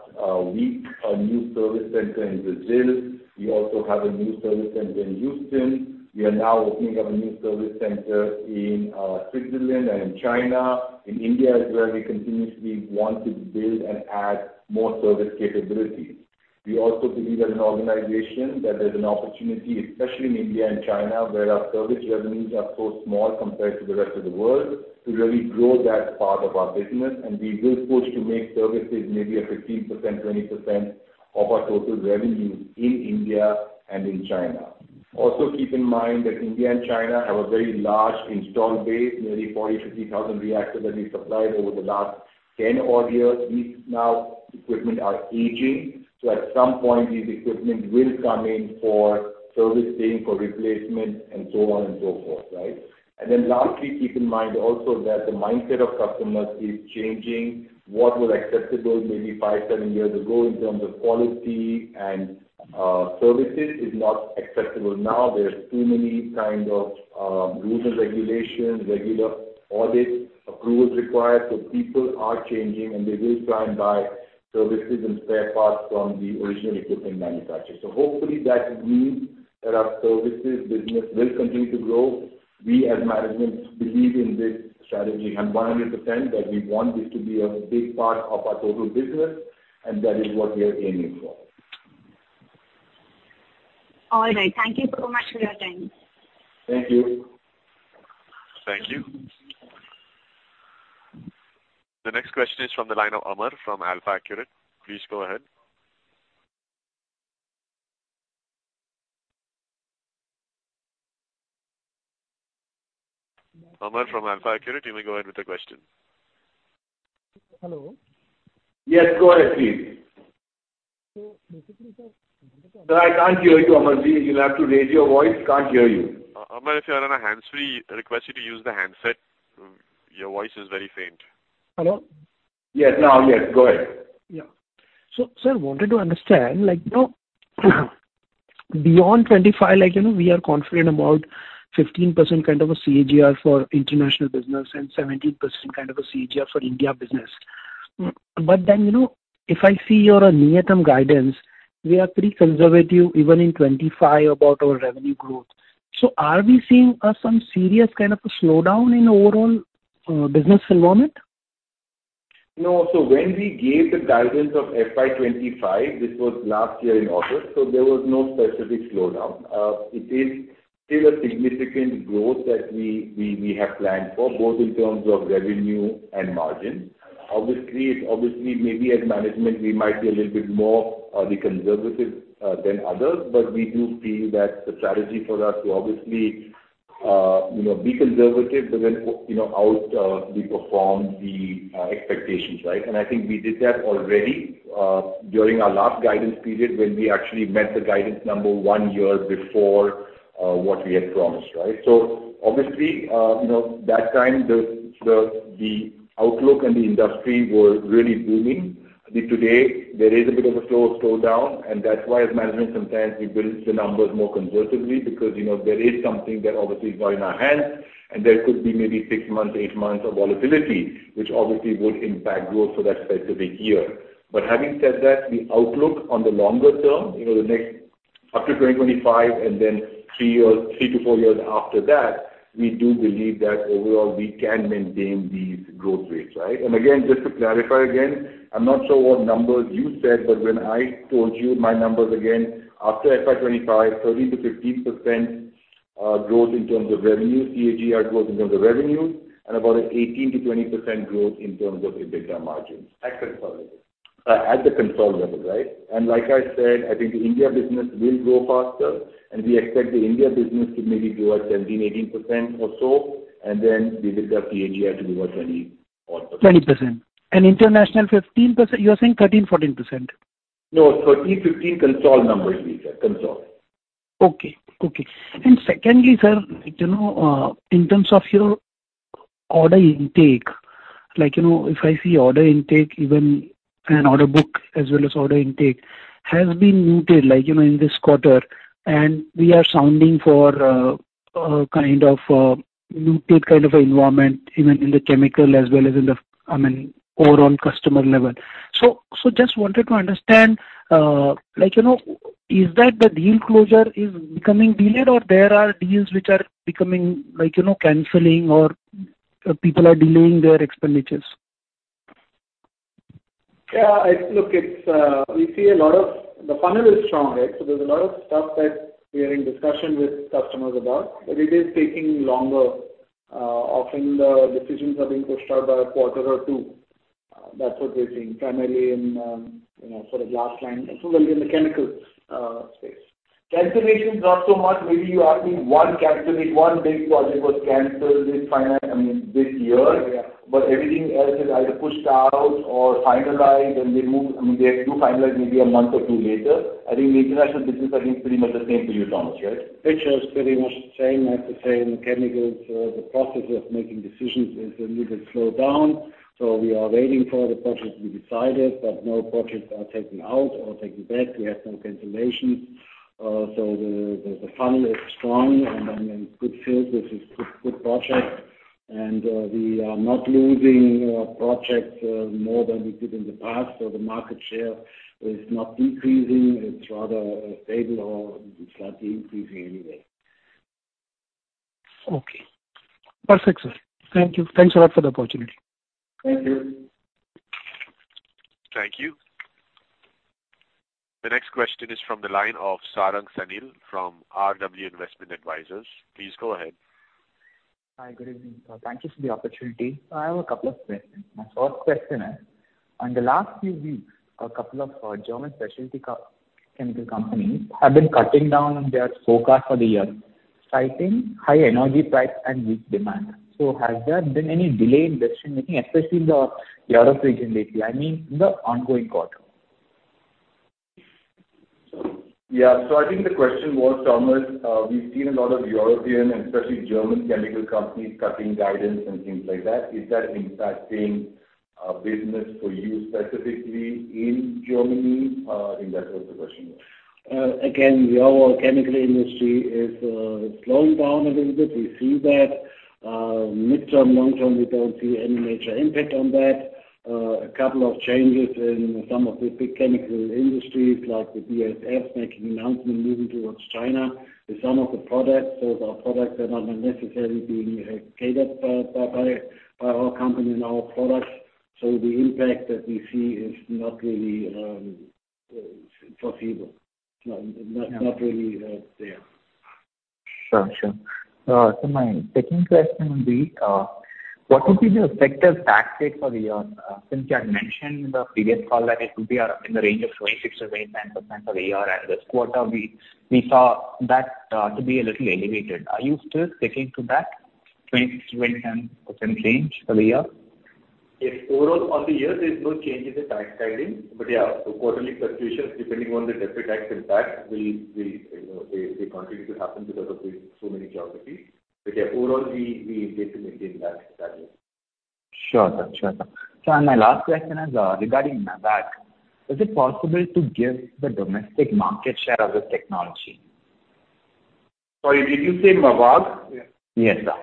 week, a new service center in Brazil. We also have a new service center in Houston. We are now opening up a new service center in Switzerland and in China. In India, as well, we continuously want to build and add more service capabilities. We also believe as an organization that there's an opportunity, especially in India and China, where our service revenues are so small compared to the rest of the world, to really grow that part of our business. We will push to make services maybe a 15%-20% of our total revenues in India and in China. Keep in mind that India and China have a very large install base, nearly 40,000-50,000 reactors that we supplied over the last 10 odd years. These now equipment are aging, so at some point, these equipment will come in for servicing, for replacement, and so on and so forth, right? Lastly, keep in mind also that the mindset of customers is changing. What was acceptable maybe 5, 7 years ago in terms of quality and services, is not acceptable now. There are too many kind of rules and regulations, regular audits, approvals required. People are changing, and they will try and buy services and spare parts from the original equipment manufacturer. Hopefully, that means that our services business will continue to grow. We, as management, believe in this strategy and 100% that we want this to be a big part of our total business, and that is what we are aiming for. All right. Thank you so much for your time. Thank you. Thank you. The next question is from the line of Amar from AlfAccurate Advisors. Please go ahead. Amar from AlfAccurate Advisors, you may go ahead with the question. Hello? Yes, go ahead, please. basically, sir- I can't hear you, Amar. You'll have to raise your voice. Can't hear you. Amar, if you're on a hands-free, I request you to use the handset. Your voice is very faint. Hello? Yes, now, yes, go ahead. Yeah. Sir, I wanted to understand, like, you know, beyond 25, like, you know, we are confident about 15% kind of a CAGR for international business and 17% kind of a CAGR for India business. But then, you know, if I see your near-term guidance, we are pretty conservative even in 25 about our revenue growth. Are we seeing some serious kind of a slowdown in the overall business environment? No. When we gave the guidance of FY 2025, this was last year in August, there was no specific slowdown. It is still a significant growth that we, we, we have planned for, both in terms of revenue and margin. Obviously, obviously, maybe as management, we might be a little bit more conservative than others, but we do feel that the strategy for us to obviously, you know, be conservative, but then, you know, out, we perform the expectations, right? I think we did that already during our last guidance period, when we actually met the guidance number one year before what we had promised, right? Obviously, you know, that time the, the, the outlook and the industry were really booming. Today, there is a bit of a slow, slowdown, and that's why as management, sometimes we build the numbers more conservatively, because, you know, there is something that obviously is not in our hands, and there could be maybe six months, eight months of volatility, which obviously would impact growth for that specific year. Having said that, the outlook on the longer term, you know, the next up to 2025 and then three years, three to four years after that, we do believe that overall we can maintain these growth rates, right? Again, just to clarify again, I'm not sure what numbers you said, but when I told you my numbers again, after FY 25, 13%-15% growth in terms of revenue, CAGR growth in terms of revenue, and about 18%-20% growth in terms of EBITDA margins. At consolidated. At the consolidated, right. Like I said, I think the India business will grow faster, and we expect the India business to maybe be about 17%-18% or so. The EBITDA CAGR to be about 20%+. 20%. International 15%, you are saying 13%, 14%? No, 13, 15 consolid number, we said, consolid. Okay, okay. Secondly, sir, you know, in terms of your order intake, like, you know, if I see order intake, even an order book, as well as order intake, has been muted, like, you know, in this quarter, and we are sounding for a, a kind of, muted kind of environment, even in the chemical as well as in the, I mean, overall customer level. Just wanted to understand, like, you know, is that the deal closure is becoming delayed, or there are deals which are becoming, like, you know, canceling or people are delaying their expenditures? Yeah, look, it's, we see a lot of. The funnel is strong, right? There's a lot of stuff that we are in discussion with customers about, but it is taking longer. Often the decisions are being pushed out by a quarter or two. That's what we're seeing, primarily in, you know, for the glass line, as well as in the chemical space. Cancellations, not so much. Maybe you are seeing one cancellation. One big project was canceled this I mean, this year. Yeah. Everything else is either pushed out or finalized, and they move, I mean, they do finalize maybe a month or two later. I think the international business, I think, pretty much the same for you, Thomas, right? It's just pretty much the same. I have to say, in chemicals, the process of making decisions is a little slowed down. We are waiting for the project to be decided, but no projects are taken out or taken back. We have no cancellation. The, the, the funnel is strong and, and, and good filled with this good, good project. We are not losing projects more than we did in the past, so the market share is not decreasing. It's rather stable or it's slightly increasing anyway. Okay. Perfect, sir. Thank you. Thanks a lot for the opportunity. Thank you. Thank you. Thank you. The next question is from the line of Sarang Sanil from RW Investment Advisors. Please go ahead. Hi, good evening. Thank you for the opportunity. I have a couple of questions. My first question is, on the last few weeks, a couple of German specialty chemical companies have been cutting down their forecast for the year, citing high energy price and weak demand. Has there been any delay in decision-making, especially in the Europe region, lately, I mean, in the ongoing quarter? Yeah. I think the question was, Thomas, we've seen a lot of European and especially German chemical companies cutting guidance and things like that. Is that impacting business for you specifically in Germany? I think that was the question. Again, the overall chemical industry is slowing down a little bit. We see that. Midterm, long-term, we don't see any major impact on that. A couple of changes in some of the big chemical industries, like the BASF making announcement, moving towards China. With some of the products, those are products that are not necessarily being catered by, by, by, by our company and our products. The impact that we see is not really foreseeable. Not, not really there. Sure, sure. My second question would be, what would be the effective tax rate for the year? Since you had mentioned the previous call, that it would be in the range of 26%-29% for the year and this quarter, we saw that to be a little elevated. Are you still sticking to that 20%-21% range for the year?... If overall on the year, there is no change in the tax guiding, but yeah, the quarterly fluctuations, depending on the deferred tax impact, will, will, you know, they, they continue to happen because of the so many geographies. Overall, we, we expect to maintain that value. Sure, sir. Sure, sir. My last question is regarding Mavag. Is it possible to give the domestic market share of this technology? Sorry, did you say Mavag? Yes, sir.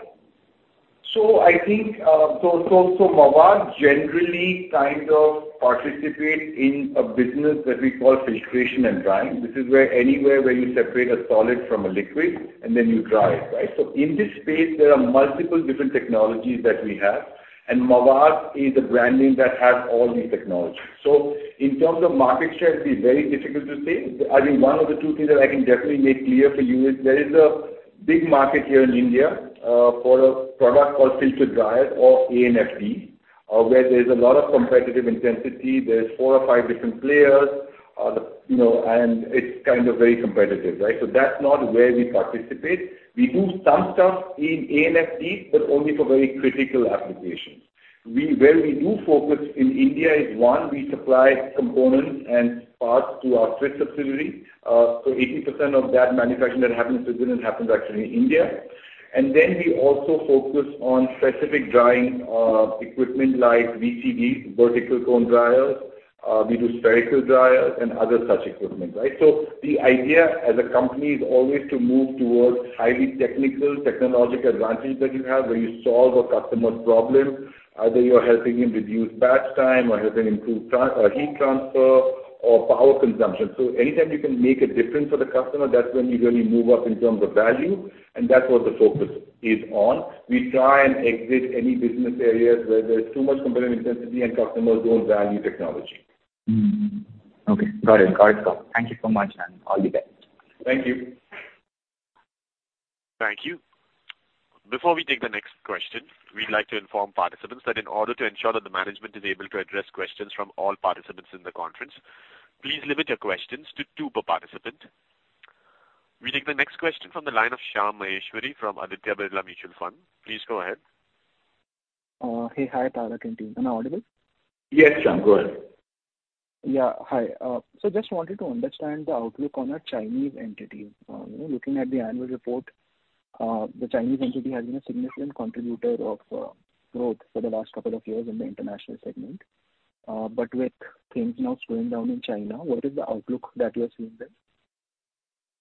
I think Mavag generally kind of participates in a business that we call filtration and drying. This is where anywhere where you separate a solid from a liquid, and then you dry it, right? In this space, there are multiple different technologies that we have, and Mavag is a brand name that has all these technologies. In terms of market share, it's very difficult to say. I think one of the two things that I can definitely make clear for you is there is a big market here in India for a product called Filter Dryer or ANFD, where there's a lot of competitive intensity. There's four or five different players, you know, and it's kind of very competitive, right? That's not where we participate. We do some stuff in ANFD, but only for very critical applications. Where we do focus in India is, 1, we supply components and parts to our Swiss subsidiary. So 80% of that manufacturing that happens within happens actually in India. Then we also focus on specific drying equipment like VCD, Vertical Cone Dryers, we do Spherical Dryers and other such equipment, right? The idea as a company is always to move towards highly technical technological advantage that you have, where you solve a customer's problem, either you are helping him reduce batch time or helping improve heat transfer or power consumption. Anytime you can make a difference for the customer, that's when you really move up in terms of value, and that's what the focus is on. We try and exit any business areas where there's too much competitive intensity and customers don't value technology. Mm. Okay, got it. Got it, sir. Thank you so much, and all the best. Thank you. Thank you. Before we take the next question, we'd like to inform participants that in order to ensure that the management is able to address questions from all participants in the conference, please limit your questions to two per participant. We take the next question from the line of Shyam Maheshwari from Aditya Birla Mutual Fund. Please go ahead. Hey, hi, Parag and team. Am I audible? Yes, Shyam, go ahead. Yeah, hi. So just wanted to understand the outlook on our Chinese entity. You know, looking at the annual report, the Chinese entity has been a significant contributor of growth for the last couple of years in the international segment. With things now slowing down in China, what is the outlook that you're seeing there?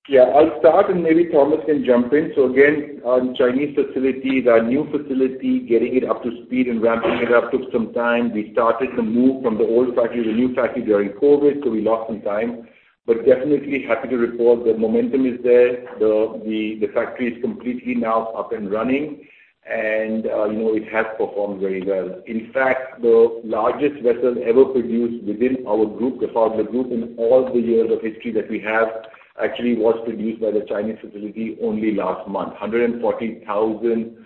Yeah, I'll start, and maybe Thomas can jump in. Again, on Chinese facilities, our new facility, getting it up to speed and ramping it up took some time. We started to move from the old factory to the new factory during COVID, so we lost some time. Definitely happy to report the momentum is there. The, the, the factory is completely now up and running, and, you know, it has performed very well. In fact, the largest vessel ever produced within our group, Pfaudler group, in all the years of history that we have, actually was produced by the Chinese facility only last month, 140,000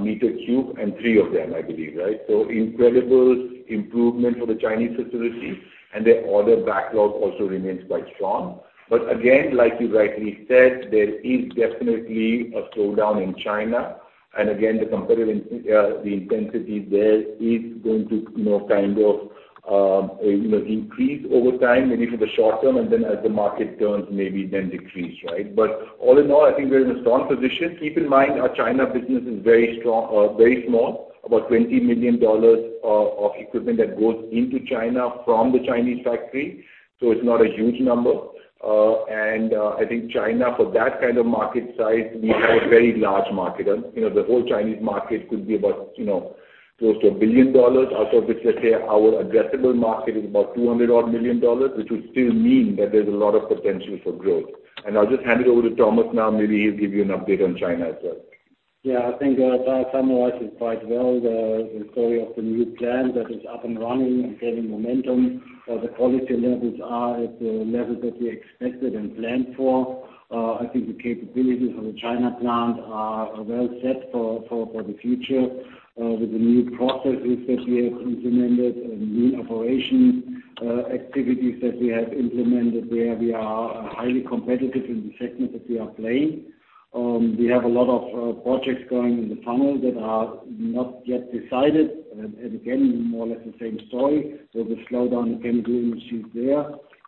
meter cube and 3 of them, I believe, right? Incredible improvement for the Chinese facility, and their order backlog also remains quite strong. Again, like you rightly said, there is definitely a slowdown in China. Again, the competitive in the intensity there is going to, you know, kind of, you know, increase over time, maybe for the short term, and then as the market turns, maybe then decrease, right? All in all, I think we're in a strong position. Keep in mind, our China business is very strong, very small, about $20 million of, of equipment that goes into China from the Chinese factory, so it's not a huge number. And I think China, for that kind of market size, we have a very large market. You know, the whole Chinese market could be about, you know, close to $1 billion. Out of which, let's say, our addressable market is about $200 million, which would still mean that there's a lot of potential for growth. I'll just hand it over to Thomas now. Maybe he'll give you an update on China as well. Yeah, I think Parag summarized it quite well, the, the story of the new plant that is up and running and gaining momentum. The quality levels are at the level that we expected and planned for. I think the capabilities of the China plant are well set for, for, for the future, with the new processes that we have implemented and new operation activities that we have implemented there. We are highly competitive in the segment that we are playing. We have a lot of projects going in the funnel that are not yet decided, and, and again, more or less the same story. The slowdown in the industry is there.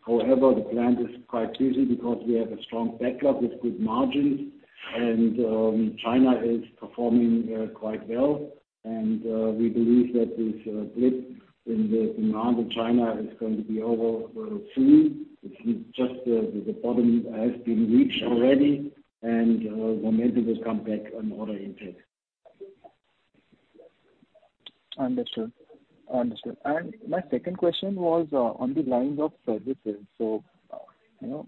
However, the plant is quite busy because we have a strong backlog with good margins, and China is performing quite well. We believe that this blip in the demand in China is going to be over soon. It's just the bottom has been reached already, and momentum will come back on order intake. Understood. Understood. My second question was on the lines of services. You know,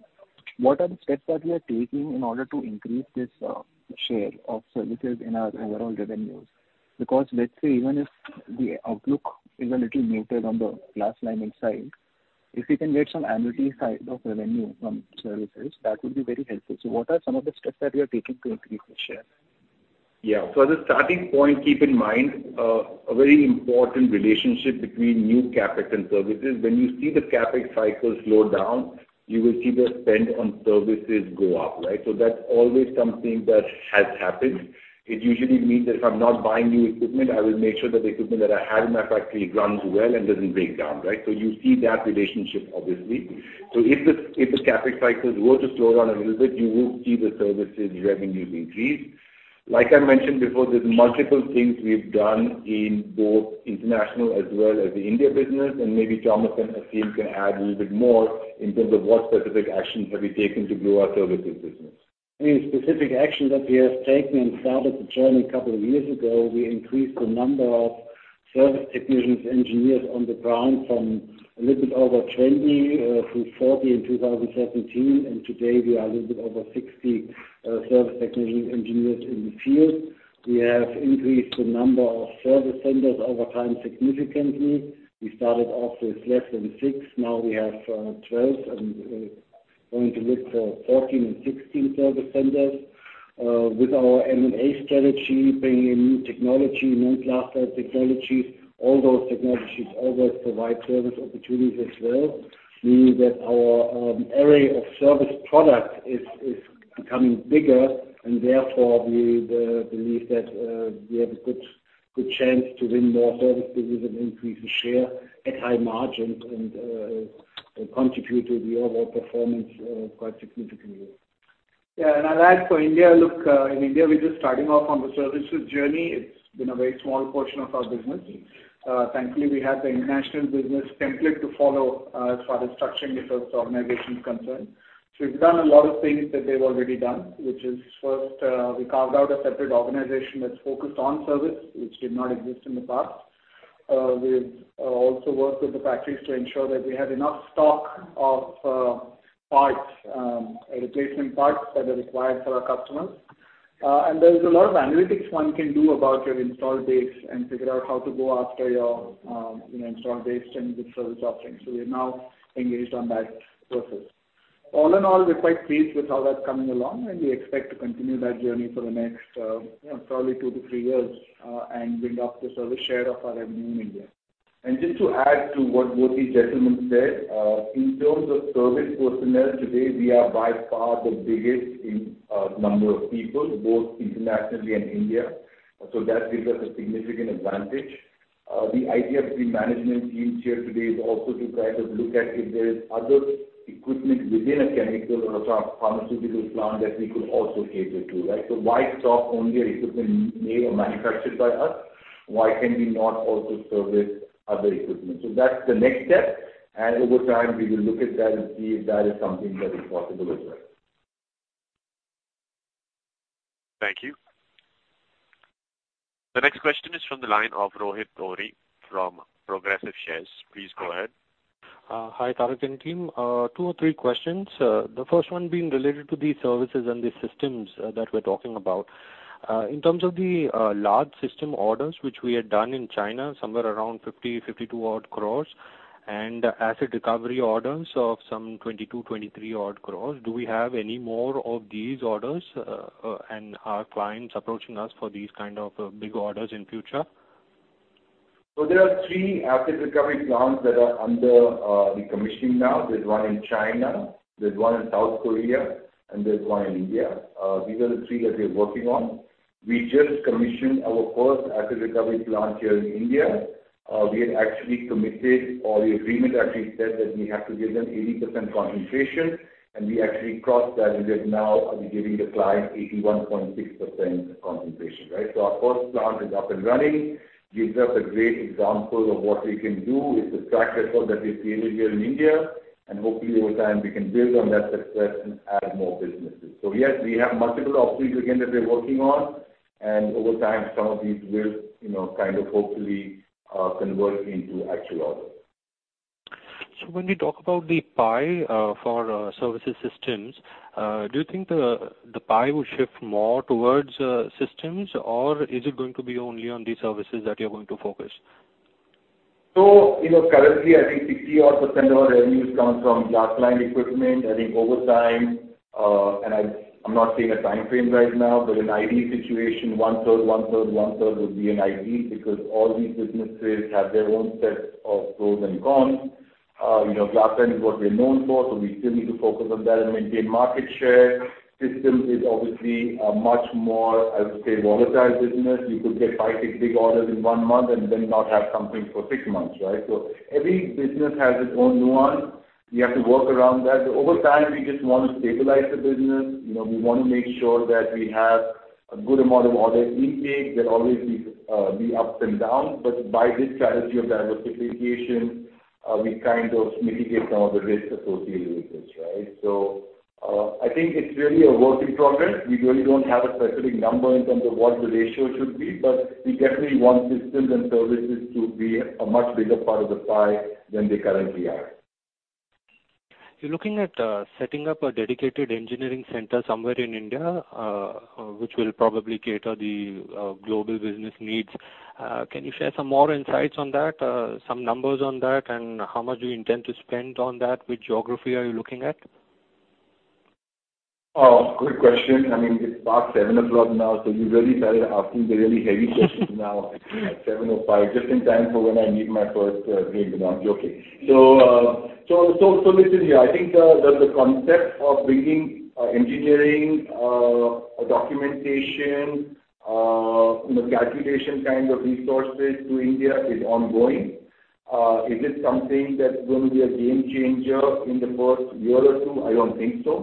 what are the steps that we are taking in order to increase this share of services in our overall revenues? Because let's say even if the outlook is a little muted on the glass lining side, if you can get some annuity side of revenue from services, that would be very helpful. What are some of the steps that we are taking to increase the share? Yeah, as a starting point, keep in mind, a very important relationship between new CapEx and services. When you see the CapEx cycle slow down, you will see the spend on services go up, right? That's always something that has happened. It usually means that if I'm not buying new equipment, I will make sure that the equipment that I have in my factory runs well and doesn't break down, right? You see that relationship, obviously. If the CapEx cycles were to slow down a little bit, you will see the services revenues increase. Like I mentioned before, there's multiple things we've done in both international as well as the India business, and maybe Jonathan, I think, can add a little bit more in terms of what specific actions have we taken to grow our services business. Any specific action that we have taken and started the journey a couple of years ago, we increased the number of service technicians, engineers on the ground from a little bit over 20 to 40 in 2017, and today, we are a little bit over 60 service technician engineers in the field. We have increased the number of service centers over time significantly. We started off with less than 6, now we have 12, and going to look for 14 and 16 service centers. With our M&A strategy, bringing in new technology, new cluster technologies, all those technologies always provide service opportunities as well, meaning that our array of service product is, is becoming bigger, and therefore, we believe that we have a good, good chance to win more service business and increase the share at high margins and and contribute to the overall performance quite significantly. Yeah, and I'll add for India, look, in India, we're just starting off on the services journey. It's been a very small portion of our business. Thankfully, we have the international business template to follow, as far as structuring the service organization is concerned. We've done a lot of things that they've already done, which is first, we carved out a separate organization that's focused on service, which did not exist in the past. We've also worked with the factories to ensure that we have enough stock of parts, replacement parts that are required for our customers. There is a lot of analytics one can do about your install base and figure out how to go after your, you know, install base and with service offerings. We're now engaged on that process. All in all, we're quite pleased with how that's coming along, and we expect to continue that journey for the next, you know, probably two to three years, and build up the service share of our revenue in India. Just to add to what both these gentlemen said, in terms of service personnel, today, we are by far the biggest in number of people, both internationally and India, that gives us a significant advantage. The idea of the management team here today is also to try to look at if there is other equipment within a chemical or a pharmaceutical plant that we could also cater to, right? Why stop only equipment made or manufactured by us? Why can we not also service other equipment? That's the next step, and over time, we will look at that and see if that is something that is possible as well. Thank you. The next question is from the line of Rohit Ohri from Progressive Shares. Please go ahead. Hi, Tarak Patel and team. Two or three questions. The first one being related to the services and the systems, that we're talking about. In terms of the large system orders, which we had done in China, somewhere around 50-52 crore, and asset recovery orders of some 22-23 crore, do we have any more of these orders? Are clients approaching us for these kind of big orders in future? There are three asset recovery plants that are under the commissioning now. There's one in China, there's one in South Korea, and there's one in India. These are the 3 that we're working on. We just commissioned our first asset recovery plant here in India. We had actually committed, or the agreement actually said that we have to give them 80% concentration, and we actually crossed that. We are now giving the client 81.6% concentration, right? Our first plant is up and running, gives us a great example of what we can do with the track record that we've created here in India, and hopefully, over time, we can build on that success and add more businesses. Yes, we have multiple opportunities again that we're working on, and over time, some of these will, you know, kind of hopefully, convert into actual orders. When you talk about the pie, for services systems, do you think the pie will shift more towards systems, or is it going to be only on the services that you're going to focus? You know, currently, I think 60% odd of our revenues come from glass-lined equipment. I think over time, and I, I'm not saying a time frame right now, but an ideal situation, one-third, one-third, one-third would be an ideal, because all these businesses have their own sets of pros and cons. You know, glass-lined is what we're known for, so we still need to focus on that and maintain market share. Systems is obviously a much more, I would say, volatile business. You could get five, six big orders in 1 month and then not have something for 6 months, right? Every business has its own nuance. We have to work around that. Over time, we just want to stabilize the business. You know, we want to make sure that we have a good amount of order intake. There'll always be ups and downs, but by this strategy of diversification, we kind of mitigate some of the risks associated with this, right? I think it's really a work in progress. We really don't have a specific number in terms of what the ratio should be, but we definitely want systems and services to be a much bigger part of the pie than they currently are. You're looking at, setting up a dedicated engineering center somewhere in India, which will probably cater the global business needs. Can you share some more insights on that, some numbers on that, and how much you intend to spend on that? Which geography are you looking at? Oh, good question. I mean, it's past 7:00 P.M. now, so you really started asking the really heavy questions now. At 7:05 P.M., just in time for when I need my first drink. No, I'm joking. Listen here, I think the concept of bringing engineering documentation, you know, calculation kind of resources to India is ongoing. Is it something that's going to be a game changer in the first year or two? I don't think so.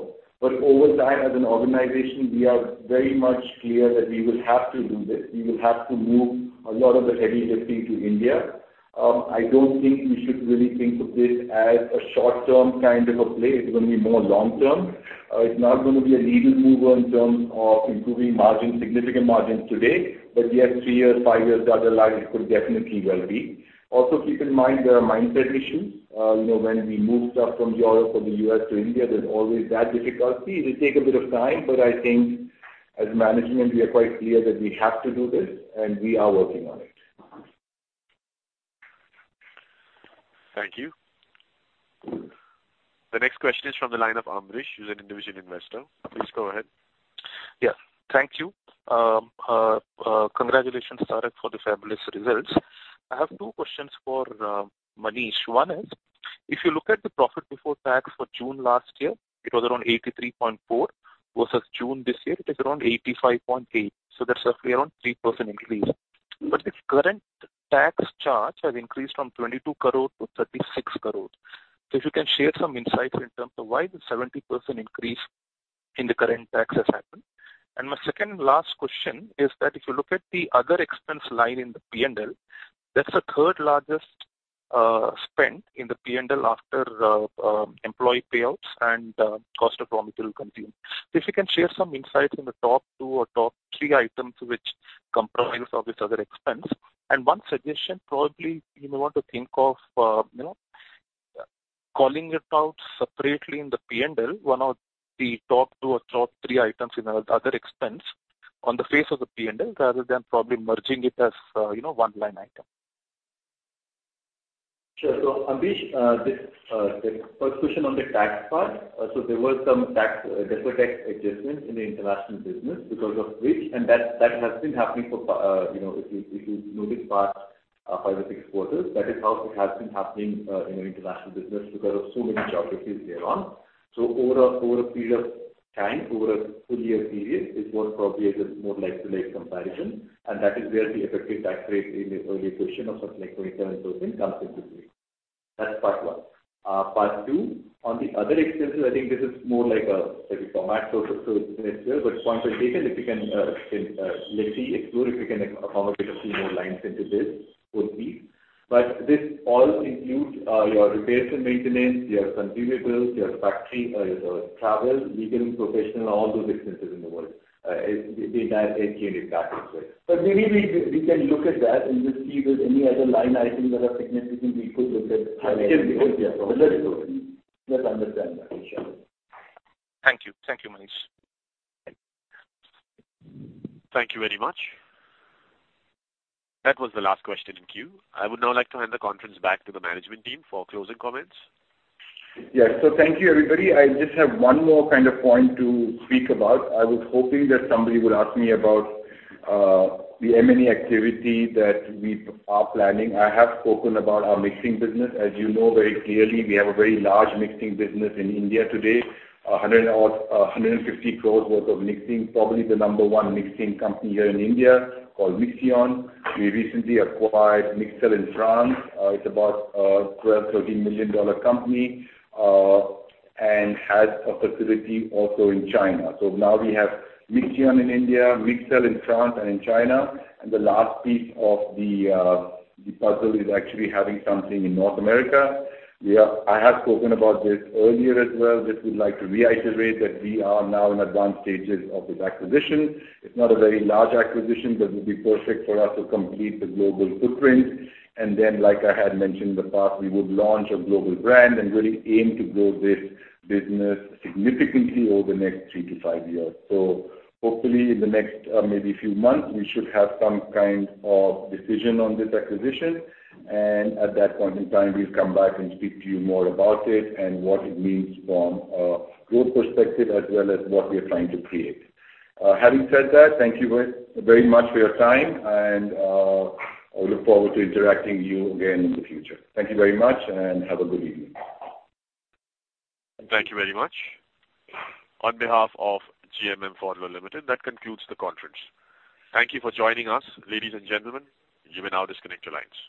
Over time, as an organization, we are very much clear that we will have to do this. We will have to move a lot of the heavy lifting to India. I don't think we should really think of this as a short-term kind of a play. It's going to be more long term. It's not going to be a needle mover in terms of improving margin, significant margins today, but yes, three years, five years down the line, it could definitely well be. Also, keep in mind, there are mindset issues. You know, when we move stuff from Europe or the US to India, there's always that difficulty. It will take a bit of time, but I think as management, we are quite clear that we have to do this, and we are working on it. Thank you. The next question is from the line of Ambrish, who's an individual investor. Please go ahead. Yeah. Thank you. Congratulations, Tarak, for the fabulous results. I have two questions for Manish. One is, if you look at the profit before tax for June last year, it was around 83.4, versus June this year, it is around 85.8. That's roughly around 3% increase. The current tax charge has increased from 22 crore to 36 crore. If you can share some insights in terms of why the 70% increase in the current tax has happened? My second and last question is that if you look at the other expense line in the P&L, that's the third largest spend in the P&L after employee payouts and cost of raw material consumed. If you can share some insights on the top two or top three items which comprise of this other expense. One suggestion, probably you may want to think of, you know, calling it out separately in the P&L, one of the top two or top three items in the other expense on the face of the P&L, rather than probably merging it as, you know, one line item. Sure. Ambrish, this, the first question on the tax part. There were some tax, deferred tax adjustments in the international business because of which... And that, that has been happening for, you know, if you, if you notice past, 5 or 6 quarters, that is how it has been happening, in the international business because of so many geographies we are on. Over a, over a period of time, over a full year period, it would probably be just more like to like comparison, and that is where the effective tax rate in the earlier question of something like 27% comes into play. That's part one. Part two, on the other expenses, I think this is more like a, like a format sort of, so it's there. Point well taken, if you can, can, let's see, explore if you can accommodate a few more lines into this, would be. This all includes, your repairs and maintenance, your consumables, your factory, your travel, legal, professional, all those expenses in the world, the entire package. Maybe we, we can look at that and just see if there's any other line items that are significant, we could look at. Let's understand that, for sure. Thank you. Thank you, Manish. Thank you very much. That was the last question in queue. I would now like to hand the conference back to the management team for closing comments. Yes. Thank you, everybody. I just have one more kind of point to speak about. I was hoping that somebody would ask me about the M&A activity that we are planning. I have spoken about our mixing business. As you know very clearly, we have a very large mixing business in India today, 100 and odd, 150 crore worth of mixing, probably the number one mixing company here in India called Mixion. We recently acquired Mixel in France. It's about a $12 million-$13 million company and has a facility also in China. Now we have Mixion in India, Mixel in France and in China, and the last piece of the puzzle is actually having something in North America. I have spoken about this earlier as well. Just would like to reiterate that we are now in advanced stages of this acquisition. It's not a very large acquisition, but it will be perfect for us to complete the global footprint. Then, like I had mentioned in the past, we would launch a global brand and really aim to grow this business significantly over the next three to five years. Hopefully, in the next, maybe few months, we should have some kind of decision on this acquisition. At that point in time, we'll come back and speak to you more about it and what it means from a growth perspective, as well as what we are trying to create. Having said that, thank you very, very much for your time, and I look forward to interacting you again in the future. Thank you very much and have a good evening. Thank you very much. On behalf of GMM Pfaudler Limited, that concludes the conference. Thank you for joining us, ladies and gentlemen. You may now disconnect your lines.